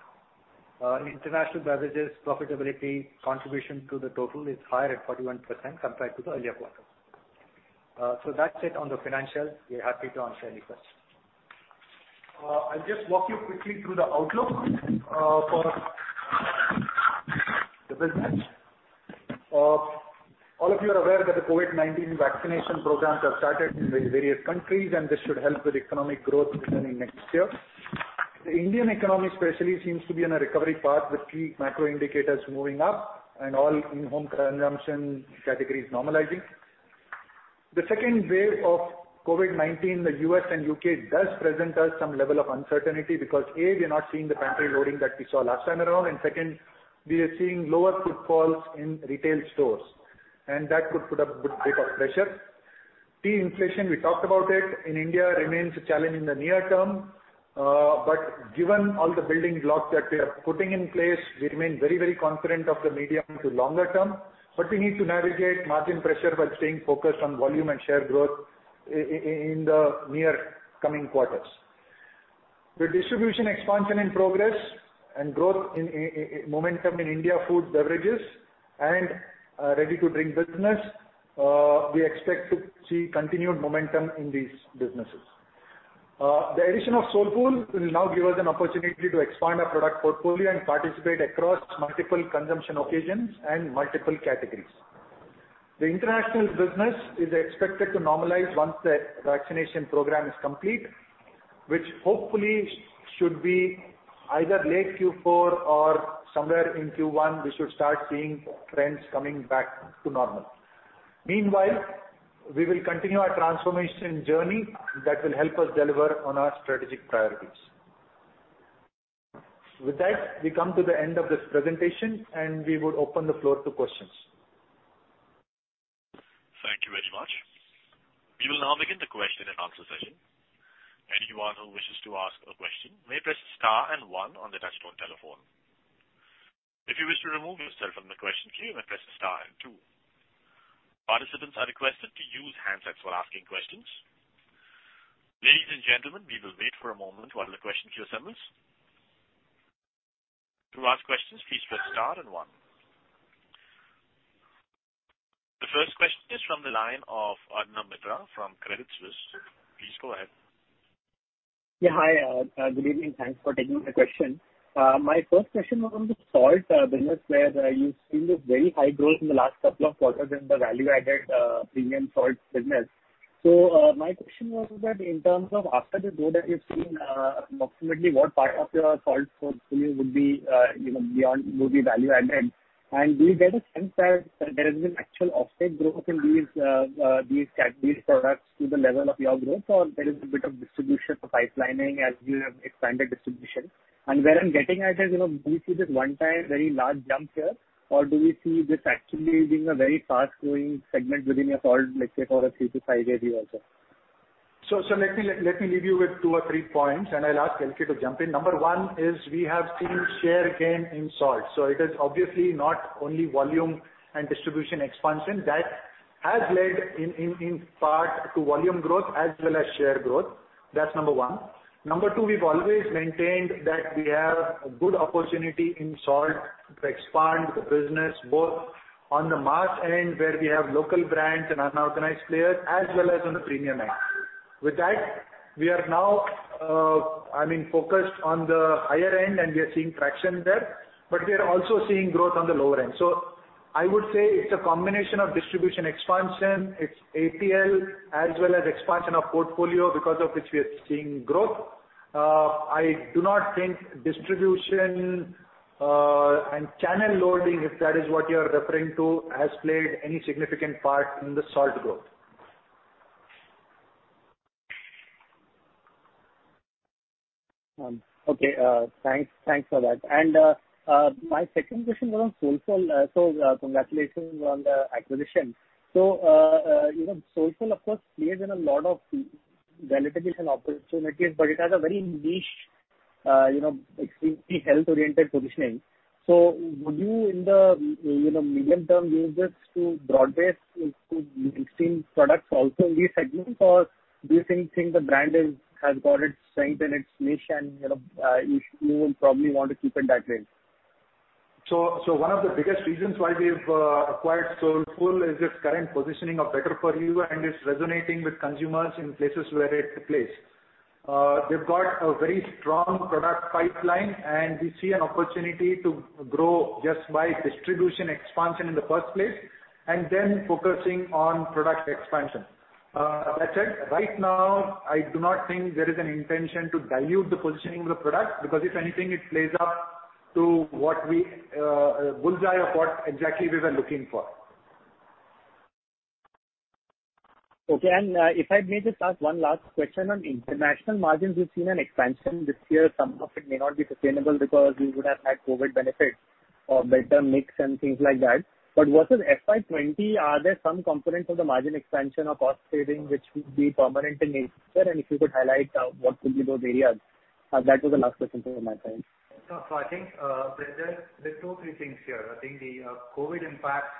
International beverages profitability contribution to the total is higher at 41% compared to the earlier quarter. That's it on the financials. We're happy to answer any questions. I'll just walk you quickly through the outlook for the business. All of you are aware that the COVID-19 vaccination programs have started in various countries. This should help with economic growth beginning next year. The Indian economy especially seems to be on a recovery path with key macro indicators moving up. All in-home consumption categories normalizing. The second wave of COVID-19 in the U.S. and U.K. does present us some level of uncertainty because, A, we are not seeing the pantry loading that we saw last time around, and second, we are seeing lower footfalls in retail stores, and that could put a bit of pressure. Tea inflation, we talked about it, in India remains a challenge in the near-term. Given all the building blocks that we are putting in place, we remain very confident of the medium to longer-term. We need to navigate margin pressure while staying focused on volume and share growth in the near coming quarters. The distribution expansion in progress and growth momentum in India foods, beverages, and ready-to-drink business, we expect to see continued momentum in these businesses. The addition of Soulfull will now give us an opportunity to expand our product portfolio and participate across multiple consumption occasions and multiple categories. The international business is expected to normalize once the vaccination program is complete, which hopefully should be either late Q4 or somewhere in Q1, we should start seeing trends coming back to normal. Meanwhile, we will continue our transformation journey that will help us deliver on our strategic priorities. With that, we come to the end of this presentation, and we would open the floor to questions. Thank you very much. We will now begin the question and answer session. Anyone who wishes to ask a question, may press star and one on the touchtone telephone. If you wish to remove yourself from the question queue, you may press star and two. Participants are requested to use handsets while asking questions. Ladies and gentlemen, we will wait for a moment while the question queue assembles. To ask questions, please press star and one. The first question is from the line of Arnab Mitra from Credit Suisse. Please go ahead. Yeah, hi. Good evening. Thanks for taking my question. My first question was on the salt business, where you've seen this very high growth in the last couple of quarters in the value-added premium salt business. My question was that in terms of after the growth that you've seen, approximately what part of your salt portfolio would be beyond more value added? Do you get a sense that there has been actual offset growth in these products to the level of your growth or there is a bit of distribution pipelining as you have expanded distribution? Where I'm getting at is, do you see this one time very large jump here or do we see this actually being a very fast-growing segment within your salt mix for a three to five-year view also? Let me leave you with two or three points and I'll ask L.K. to jump in. Number one is we have seen share gain in salt. It is obviously not only volume and distribution expansion that has led in part to volume growth as well as share growth. That's number one. Number two, we've always maintained that we have a good opportunity in salt to expand the business both on the mass end where we have local brands and unorganized players as well as on the premium end. With that, we are now focused on the higher end and we are seeing traction there, but we are also seeing growth on the lower end. I would say it's a combination of distribution expansion, it's A&P as well as expansion of portfolio because of which we are seeing growth. I do not think distribution and channel loading, if that is what you're referring to, has played any significant part in the salt growth. Okay. Thanks for that. My second question was on Soulfull. Congratulations on the acquisition. Soulfull, of course, plays in a lot of value-driven opportunities, but it has a very niche, extremely health-oriented positioning. Would you in the medium term use this to broad base into existing products also in this segment or do you think the brand has got its strength in its niche and you will probably want to keep it that way? One of the biggest reasons why we've acquired Soulfull is its current positioning of better for you and it's resonating with consumers in places where it's placed. They've got a very strong product pipeline and we see an opportunity to grow just by distribution expansion in the first place and then focusing on product expansion. That said, right now I do not think there is an intention to dilute the positioning of the product because if anything it plays up to what we bull's eye of what exactly we were looking for. Okay. If I may just ask one last question on international margins, we've seen an expansion this year. Some of it may not be sustainable because we would have had COVID benefits or better mix and things like that. Versus FY 2020, are there some components of the margin expansion or cost saving which would be permanent in nature? If you could highlight what will be those areas. That was the last question from my side. I think there are two or three things here. I think the COVID impact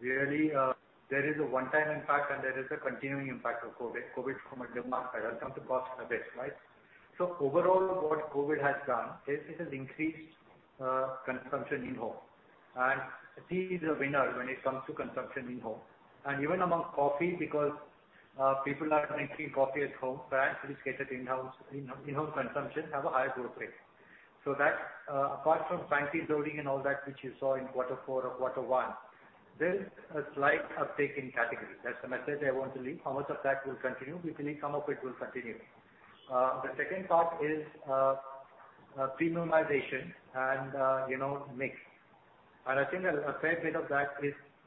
really, there is a one-time impact and there is a continuing impact of COVID. COVID from a demand side and some cost benefits, right? Overall what COVID has done is it has increased consumption in-home and tea is a winner when it comes to consumption in-home. Even among coffee because people are drinking coffee at home, brands which cater to in-home consumption have a higher growth rate. That, apart from pantry loading and all that which you saw in quarter four or quarter one, there's a slight uptick in category. That's the message I want to leave. How much of that will continue? We believe some of it will continue. The second part is premiumization and mix. I think a fair bit of that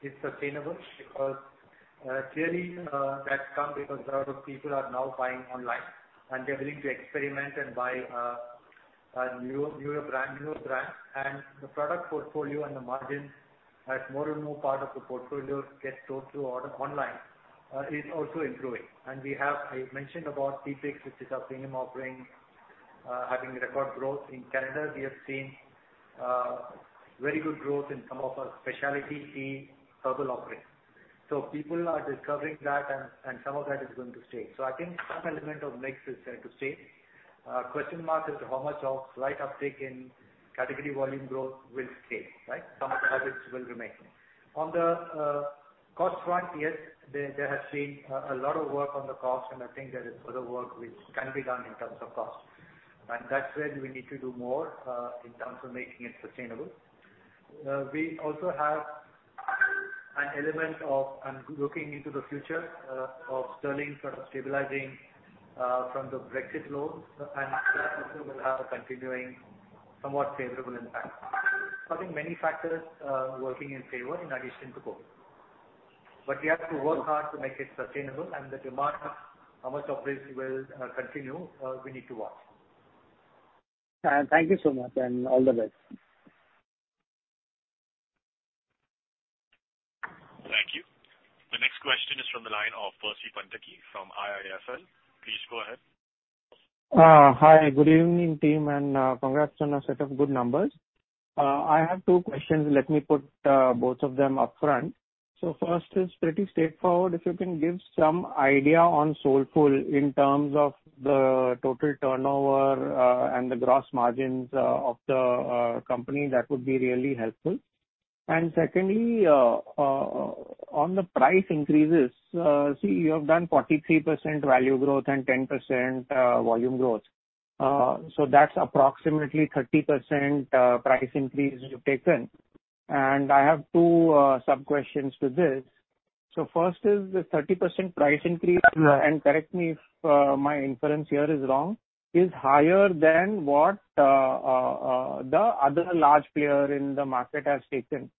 is sustainable because clearly that's come because a lot of people are now buying online and they're willing to experiment and buy newer brand. The product portfolio and the margin as more and more part of the portfolio gets sold through online, is also improving. I mentioned about Teapigs which is our premium offering having record growth. In Canada we have seen very good growth in some of our specialty tea herbal offerings. People are discovering that and some of that is going to stay. I think some element of mix is there to stay. A question mark is how much of slight uptick in category volume growth will stay, right? Some of the habits will remain. On the cost front, yes, there has been a lot of work on the cost. I think there is further work which can be done in terms of cost and that's where we need to do more in terms of making it sustainable. We also have an element of looking into the future of sterling sort of stabilizing from the Brexit lows and that also will have a continuing somewhat favorable impact. I think many factors are working in favor in addition to COVID. We have to work hard to make it sustainable and the demand, how much of this will continue, we need to watch. Thank you so much and all the best. Thank you. The next question is from the line of Percy Panthaki from IIFL. Please go ahead. Hi, good evening team and congrats on a set of good numbers. I have two questions. Let me put both of them upfront. First is pretty straightforward. If you can give some idea on Soulfull in terms of the total turnover and the gross margins of the company, that would be really helpful. Secondly, on the price increases, see you have done 43% value growth and 10% volume growth. That's approximately 30% price increase you've taken. I have two sub-questions to this. First is the 30% price increase, and correct me if my inference here is wrong, is higher than what the other large player in the market has taken.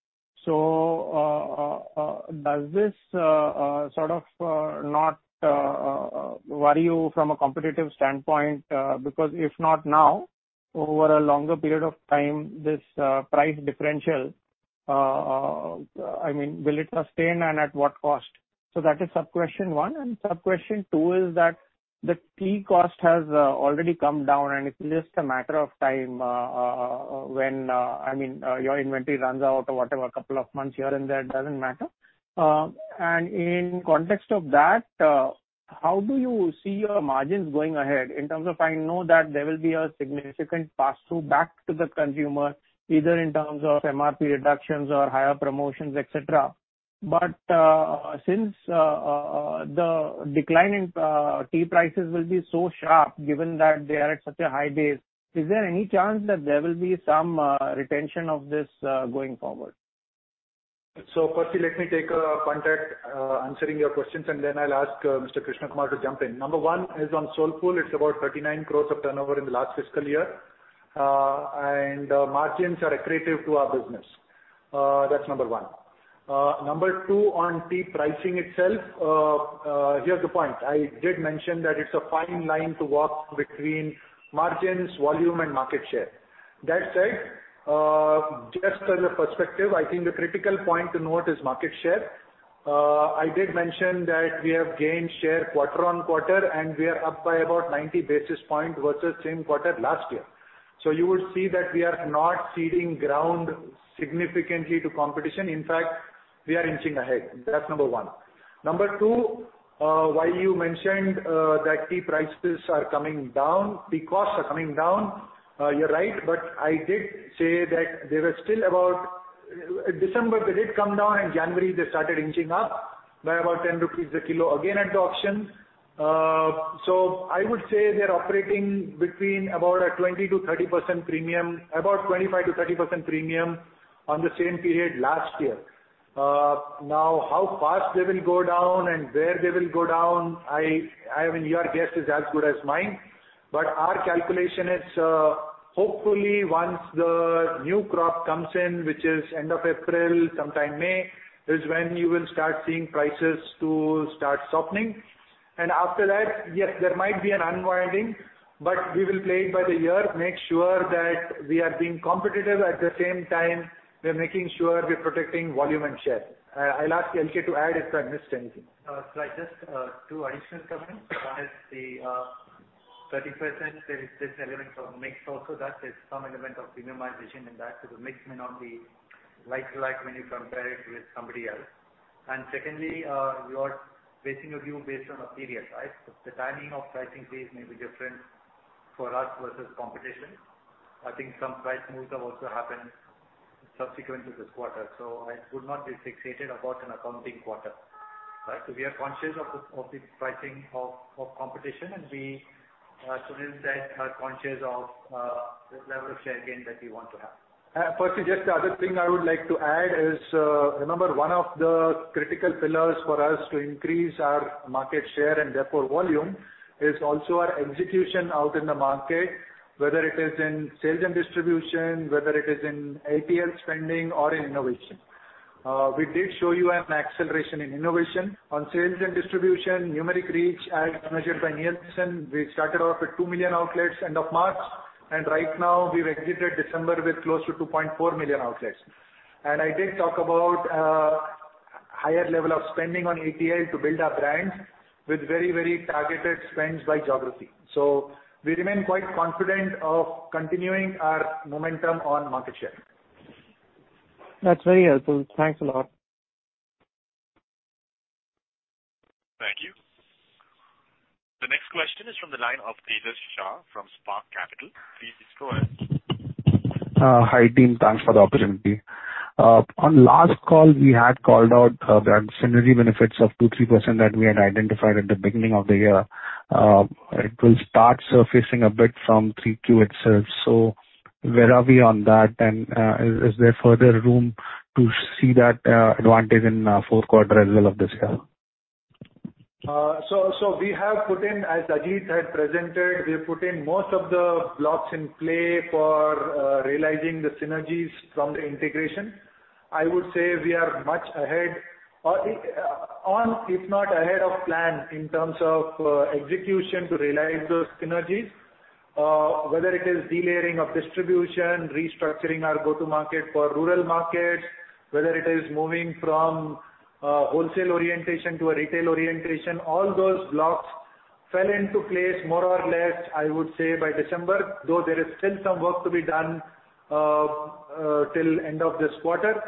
If not now, over a longer period of time, this price differential, will it sustain and at what cost? That is sub-question one. Sub-question two is that the key cost has already come down, and it's just a matter of time when your inventory runs out or whatever, couple of months here and there, it doesn't matter. In context of that, how do you see your margins going ahead in terms of, I know that there will be a significant pass-through back to the consumer, either in terms of MRP reductions or higher promotions, et cetera. Since the decline in tea prices will be so sharp, given that they are at such a high base, is there any chance that there will be some retention of this going forward? Firstly, let me take a punt at answering your questions, and then I'll ask Mr. Krishnakumar to jump in. Number one is on Soulfull. It's about 39 crores of turnover in the last fiscal year. Margins are accretive to our business. That's number one. Number two, on tea pricing itself, here's the point. I did mention that it's a fine line to walk between margins, volume, and market share. That said, just as a perspective, I think the critical point to note is market share. I did mention that we have gained share quarter on quarter, and we are up by about 90 basis points versus same quarter last year. You would see that we are not ceding ground significantly to competition. In fact, we are inching ahead. That's number one. Number two, while you mentioned that tea prices are coming down, tea costs are coming down, you're right, but I did say that they were still about December, they did come down. In January, they started inching up by about 10 rupees a kilo again at the auction. I would say they're operating between about a 20%-30% premium, about 25%-30% premium on the same period last year. How fast they will go down and where they will go down, your guess is as good as mine. Our calculation is, hopefully once the new crop comes in, which is end of April, sometime May, is when you will start seeing prices to start softening. After that, yes, there might be an unwinding, but we will play it by the year, make sure that we are being competitive. At the same time, we're making sure we're protecting volume and share. I'll ask L.K. to add if I missed anything. I just, two additional comments. One is the 30%, there is this element of mix also, that there's some element of premiumization in that. The mix may not be like when you compare it with somebody else. Secondly, you are basing your view based on a period, right? The timing of pricing phase may be different for us versus competition. I think some price moves have also happened subsequent to this quarter, so I would not be fixated about an accounting quarter. Right? We are conscious of the pricing of competition, and we, Sunil said, are conscious of the level of share gain that we want to have. Just the other thing I would like to add is, remember, one of the critical pillars for us to increase our market share, and therefore volume, is also our execution out in the market, whether it is in sales and distribution, whether it is in ATL spending or in innovation. We did show you an acceleration in innovation. On sales and distribution, numeric reach as measured by Nielsen, we started off at 2 million outlets end of March, and right now we've exited December with close to 2.4 million outlets. I did talk about higher level of spending on ATL to build our brand with very targeted spends by geography. We remain quite confident of continuing our momentum on market share. That's very helpful. Thanks a lot. Thank you. The next question is from the line of Tejas Shah from Spark Capital. Please go ahead. Hi, team. Thanks for the opportunity. On last call, we had called out that synergy benefits of 2%-3% that we had identified at the beginning of the year. It will start surfacing a bit from 3Q itself. Where are we on that? Is there further room to see that advantage in fourth quarter as well of this year? We have put in, as Ajit had presented, we have put in most of the blocks in play for realizing the synergies from the integration. I would say we are much ahead, if not ahead of plan in terms of execution to realize those synergies, whether it is delayering of distribution, restructuring our go-to-market for rural markets, whether it is moving from wholesale orientation to a retail orientation. All those blocks fell into place more or less, I would say, by December, though there is still some work to be done till end of this quarter.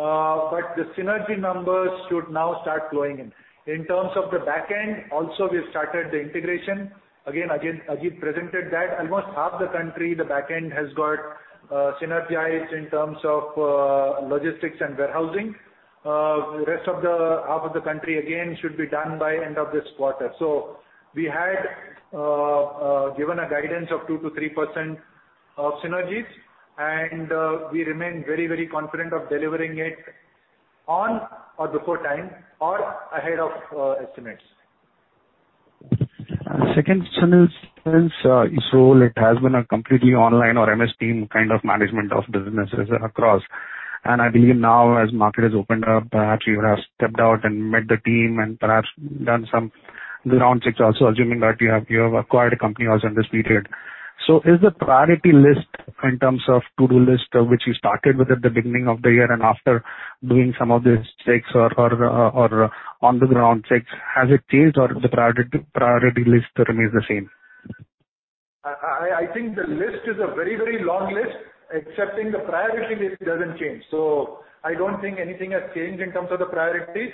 The synergy numbers should now start flowing in. In terms of the back end, also we started the integration. Again, Ajit presented that almost half the country, the back end has got synergized in terms of logistics and warehousing. Rest of the half of the country, again, should be done by end of this quarter. We had given a guidance of 2%-3% of synergies, and we remain very confident of delivering it on or before time or ahead of estimates. Second question is, it has been a completely online or MS Team kind of management of businesses across. I believe now as market has opened up, perhaps you would have stepped out and met the team and perhaps done some ground checks also, assuming that you have acquired a company also in this period. Is the priority list in terms of to-do list, which you started with at the beginning of the year and after doing some of these checks or on the ground checks, has it changed or the priority list remains the same? I think the list is a very long list, excepting the priority list doesn't change. I don't think anything has changed in terms of the priorities.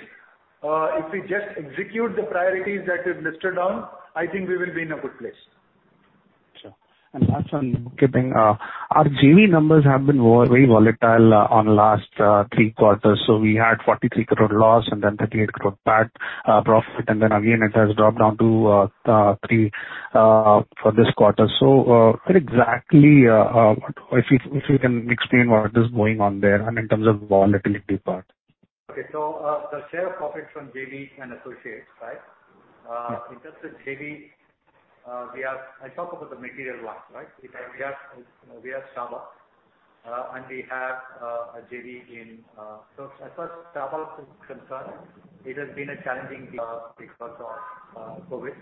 If we just execute the priorities that we've listed down, I think we will be in a good place. Sure. Last one, keeping our JV numbers have been very volatile on last three quarters. We had 43 crore loss and then 38 crore profit, and then again, it has dropped down to 3 crore for this quarter. What exactly, if you can explain what is going on there and in terms of volatility part. Okay. The share of profits from JV and associates, right? Yeah. In terms of JV, I talk about the material ones, right? We have Starbucks. As far as Starbucks is concerned, it has been a challenging year because of COVID,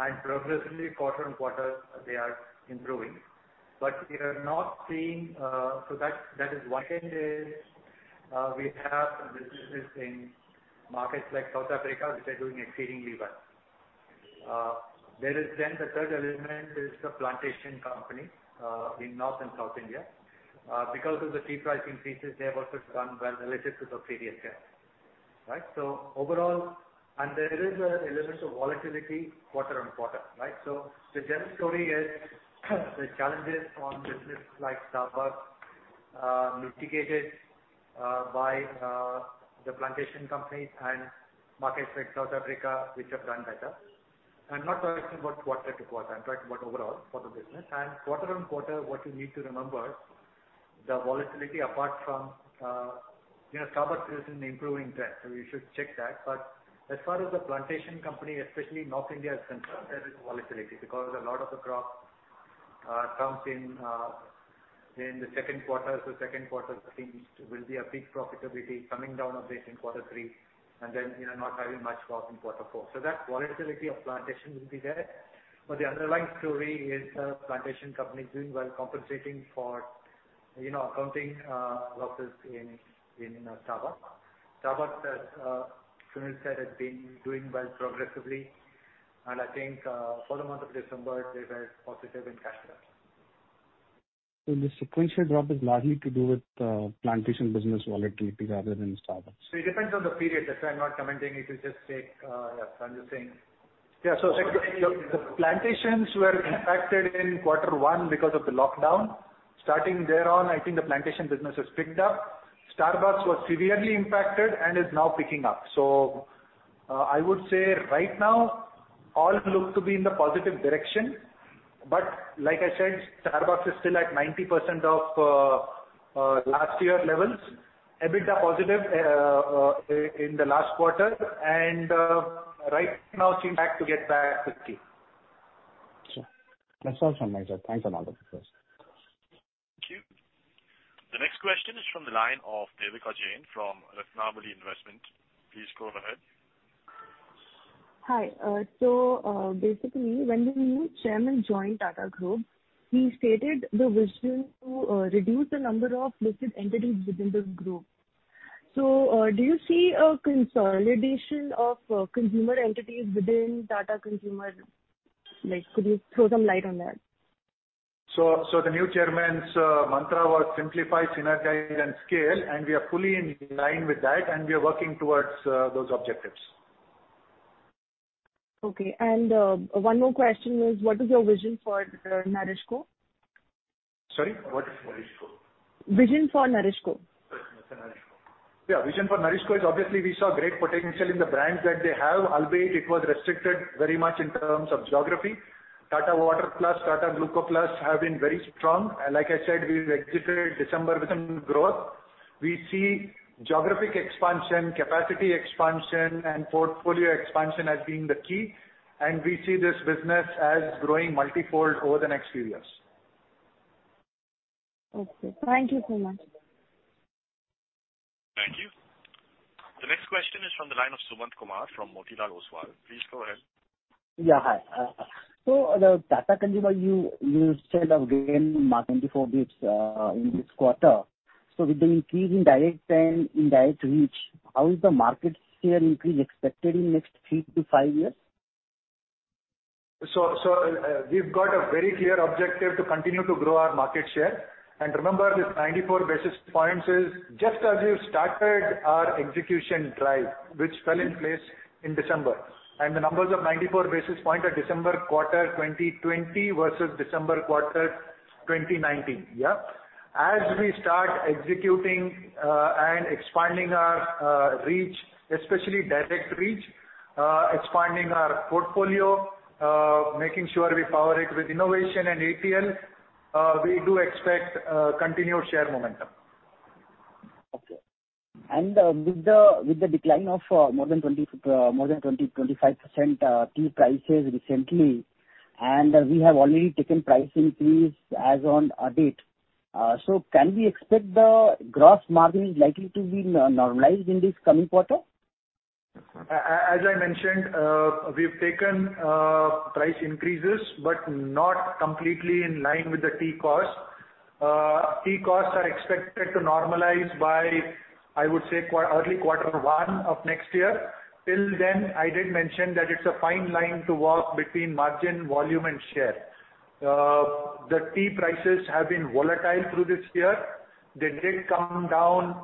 and progressively quarter on quarter they are improving. That is one end, we have some businesses in markets like South Africa which are doing exceedingly well. The third element is the plantation company, in North and South India. Because of the tea pricing increases, they have also done well relative to the previous year. Right? There is elements of volatility quarter on quarter. Right? The general story is the challenges on businesses like Starbucks are mitigated by the plantation company and markets like South Africa, which have done better. I'm not talking about quarter to quarter, I'm talking about overall for the business. Quarter-on-quarter, what you need to remember, the volatility apart from, Starbucks is in improving trend, so we should check that. As far as the plantation company, especially North India is concerned, there is volatility because a lot of the crop comes in the second quarter. Second quarter things will be a peak profitability coming down a bit in quarter three and then, not having much growth in quarter four. That volatility of plantation will be there. The underlying story is the plantation company doing well, compensating for accounting losses in Starbucks. Starbucks, as Sunil said, has been doing well progressively, and I think for the month of December, they were positive in cash flow. The sequential drop is largely to do with the plantation business volatility rather than Starbucks. It depends on the period. That's why I'm not commenting it. I'm just saying. The plantations were impacted in quarter one because of the lockdown. Starting thereon, I think the plantation business has picked up. Starbucks was severely impacted and is now picking up. I would say right now all look to be in the positive direction, but like I said, Starbucks is still at 90% of last year levels, EBITDA positive in the last quarter and right now seems back to get back 50. Sure. That's all from my side. Thanks a lot. Thank you. The next question is from the line of Devika Jain from Ratnabali Investment. Please go ahead. Hi. Basically when the new chairman joined Tata Group, he stated the vision to reduce the number of listed entities within this group. Do you see a consolidation of consumer entities within Tata Consumer? Could you throw some light on that? The new chairman's mantra was simplify, synergize, and scale, and we are fully in line with that, and we are working towards those objectives. Okay. One more question is, what is your vision for NourishCo? Sorry, what is NourishCo? Vision for NourishCo. Business of NourishCo. Yeah, vision for NourishCo is obviously we saw great potential in the brands that they have, albeit it was restricted very much in terms of geography. Tata Water+, Tata Gluco+ have been very strong. Like I said, we've exited December with growth. We see geographic expansion, capacity expansion, and portfolio expansion as being the key, and we see this business as growing multifold over the next few years. Okay. Thank you so much. Thank you. The next question is from the line of Sumant Kumar from Motilal Oswal. Please go ahead. Yeah, hi. The Tata Consumer, you said have gained 94 bps in this quarter. With the increase in direct reach, how is the market share increase expected in next three to five years? We've got a very clear objective to continue to grow our market share. Remember this 94 basis points is just as we've started our execution drive, which fell in place in December. The numbers of 94 basis points are December quarter 2020 versus December quarter 2019. We start executing, and expanding our reach, especially direct reach, expanding our portfolio, making sure we power it with innovation and ATL, we do expect continued share momentum. Okay. With the decline of more than 20%-25% tea prices recently, and we have already taken price increase as on a date. Can we expect the gross margin likely to be normalized in this coming quarter? As I mentioned, we've taken price increases, not completely in line with the tea cost. Tea costs are expected to normalize by, I would say, early quarter one of next year. Till then, I did mention that it's a fine line to walk between margin, volume and share. The tea prices have been volatile through this year. They did come down,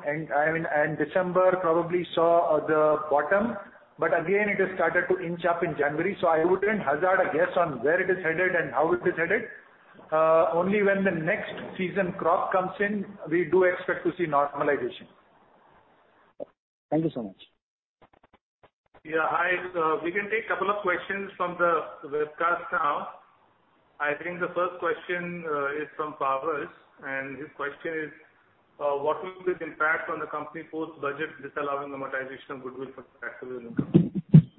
December probably saw the bottom, again, it has started to inch up in January, I wouldn't hazard a guess on where it is headed and how it is headed. Only when the next season crop comes in, we do expect to see normalization. Thank you so much. Yeah, hi. We can take couple of questions from the webcast now. I think the first question is from Pavars. His question is: what will be the impact on the company post-budget disallowing amortization of goodwill for taxable income?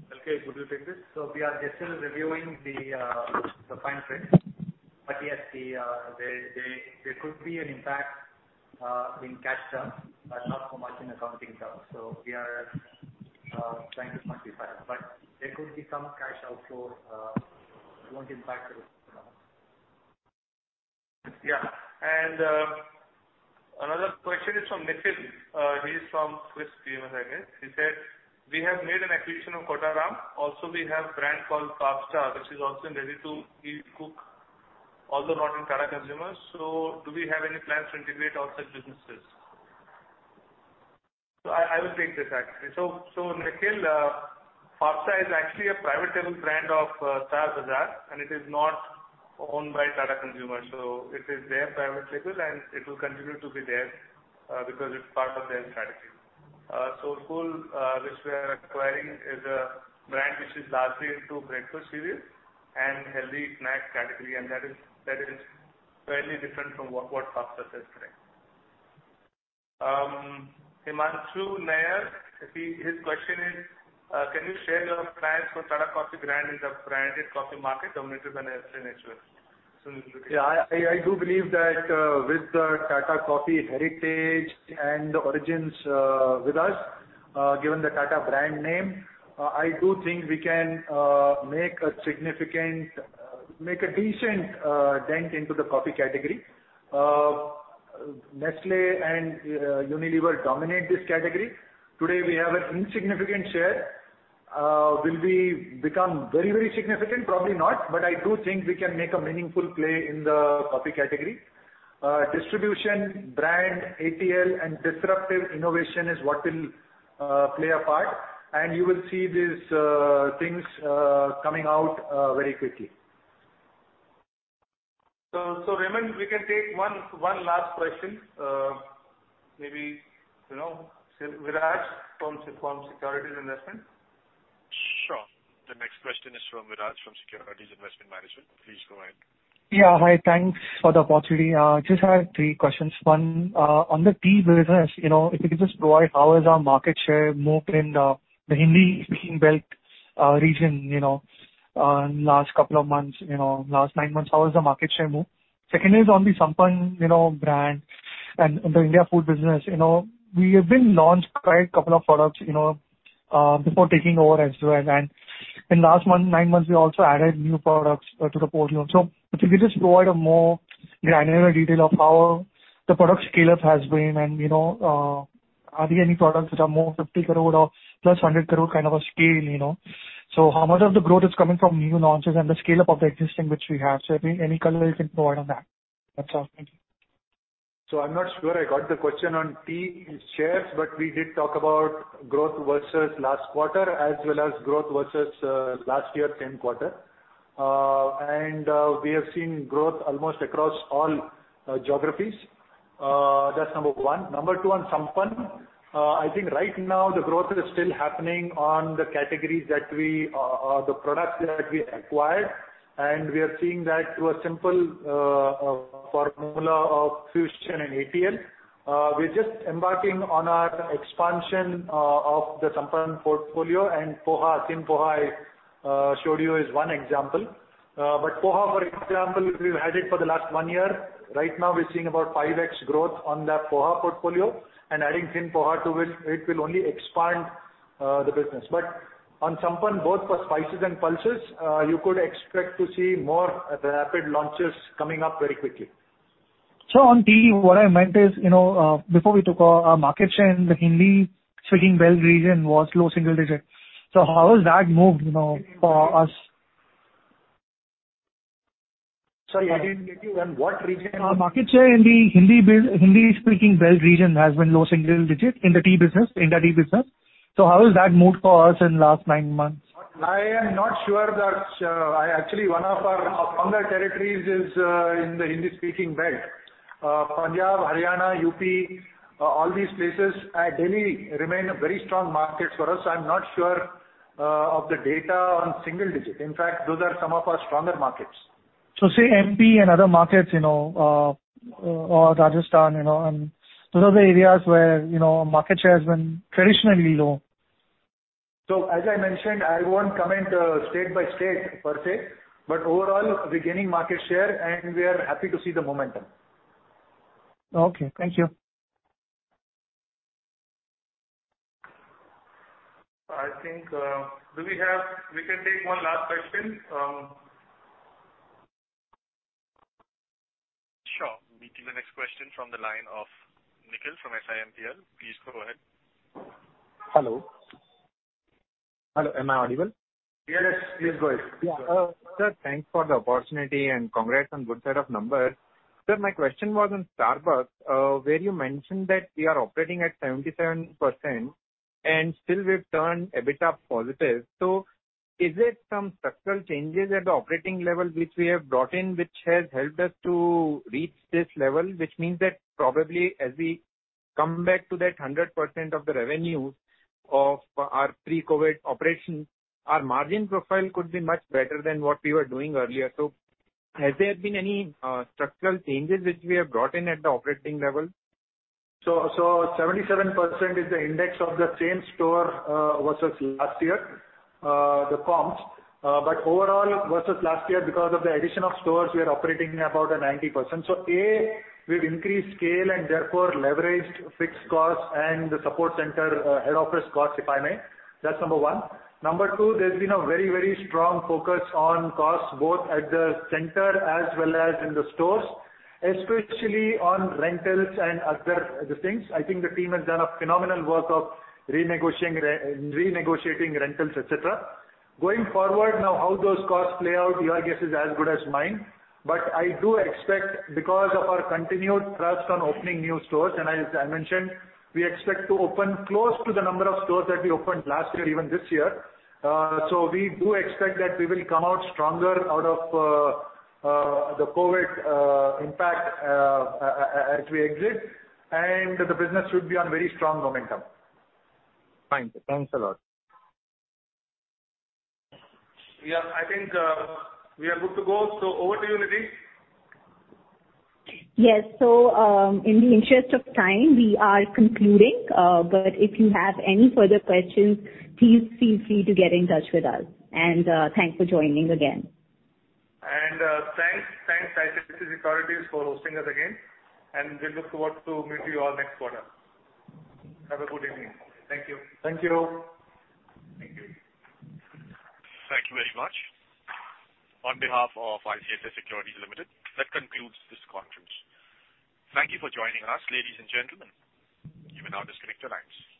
L.K., could you take this? We are still reviewing the fine print. Yes, there could be an impact in cash terms, but not so much in accounting terms. We are trying to quantify, but there could be some cash outflow. It won't impact the results. Yeah. Another question is from Nikhil. He's from Swiss PMS, I guess. He said: We have made an acquisition of Kottaram. We have a brand called Fabsta, which is also ready to eat cook, although not in Tata Consumer. Do we have any plans to integrate such businesses? I will take this actually. Nikhil, Fabsta is actually a private label brand of Star Bazaar, and it is not owned by Tata Consumer Products. It is their private label and it will continue to be theirs, because it's part of their strategy. Soulfull, which we are acquiring, is a brand which is largely into breakfast cereal and healthy snack category, and that is fairly different from what Fabsta says today. Himanshu Nair, his question is: Can you share your plans for Tata Coffee brand in the branded coffee market dominated by Nestlé? Yeah, I do believe that with the Tata Coffee heritage and origins with us, given the Tata brand name, I do think we can make a decent dent into the coffee category. Nestlé and Unilever dominate this category. Today we have an insignificant share. Will we become very, very significant? Probably not, but I do think we can make a meaningful play in the coffee category. Distribution, brand, ATL and disruptive innovation is what will play a part, and you will see these things coming out very quickly. Raymond, we can take one last question. Maybe Viraj from Securities Investment. Sure. The next question is from Viraj from Securities Investment Management. Please go ahead. Yeah, hi. Thanks for the opportunity. Just had three questions. One, on the tea business, if you could just provide how is our market share moved in the Hindi-speaking belt region last couple of months, last nine months. How is the market share move? Second is on the Sampann brand and the India food business. We have been launched quite a couple of products before taking over as well. In last nine months, we also added new products to the portfolio. If you could just provide a more granular detail of how the product scale-up has been and are there any products which are more 50 crore or +100 crore kind of a scale? How much of the growth is coming from new launches and the scale-up of the existing which we have? Any color you can provide on that. That's all. Thank you. I'm not sure I got the question on tea shares, but we did talk about growth versus last quarter as well as growth versus last year same quarter. We have seen growth almost across all geographies. That's number one. Number two, on Sampann, I think right now the growth is still happening on the products that we acquired, and we are seeing that through a simple formula of fusion and ATL. We're just embarking on our expansion of the Sampann portfolio and Poha, Thin Poha I showed you is one example. Poha, for example, we've had it for the last one year. Right now we're seeing about 5X growth on that Poha portfolio and adding Thin Poha to it will only expand the business. On Sampann both for spices and pulses, you could expect to see more rapid launches coming up very quickly. On tea, what I meant is, before we took our market share in the Hindi-speaking belt region was low single digit. How has that moved for us? Sorry, I didn't get you. In what region? Our market share in the Hindi-speaking belt region has been low-single digit in the tea business. How has that moved for us in last nine months? I am not sure that actually one of our erstwhile territories is in the Hindi-speaking belt. Punjab, Haryana, U.P., all these places and Delhi remain a very strong market for us. I'm not sure of the data on single digit. In fact, those are some of our stronger markets. Say MP and other markets, or Rajasthan, and those are the areas where market share has been traditionally low. As I mentioned, I won't comment state by state per se, but overall, we're gaining market share and we are happy to see the momentum. Okay. Thank you. I think, we can take one last question. Sure. We take the next question from the line of Nikhil from SIMPL. Please go ahead. Hello? Hello, am I audible? Yes, please go ahead. Sir, thanks for the opportunity and congrats on good set of numbers. Sir, my question was on Starbucks, where you mentioned that we are operating at 77% and still we've turned a bit of positive. Is it some structural changes at the operating level which we have brought in, which has helped us to reach this level? Which means that probably as we come back to that 100% of the revenue of our pre-COVID operation, our margin profile could be much better than what we were doing earlier. Has there been any structural changes which we have brought in at the operating level? 77% is the index of the same store versus last year, the comps. Overall versus last year, because of the addition of stores, we are operating about 90%. A, we've increased scale and therefore leveraged fixed costs and the support center head office costs, if I may. That's number one. Number two, there's been a very strong focus on costs, both at the center as well as in the stores, especially on rentals and other things. I think the team has done a phenomenal work of renegotiating rentals, et cetera. Going forward, now how those costs play out, your guess is as good as mine. I do expect because of our continued thrust on opening new stores, and as I mentioned, we expect to open close to the number of stores that we opened last year, even this year. We do expect that we will come out stronger out of the COVID-19 impact as we exit, and the business should be on very strong momentum. Fine. Thanks a lot. Yeah, I think we are good to go. Over to you, Nidhi. Yes. In the interest of time, we are concluding. If you have any further questions, please feel free to get in touch with us. Thanks for joining again. Thanks ICICI Securities for hosting us again, and we look forward to meet you all next quarter. Have a good evening. Thank you. Thank you. Thank you. Thank you very much. On behalf of ICICI Securities Limited, that concludes this conference. Thank you for joining us, ladies and gentlemen. You may now disconnect your lines.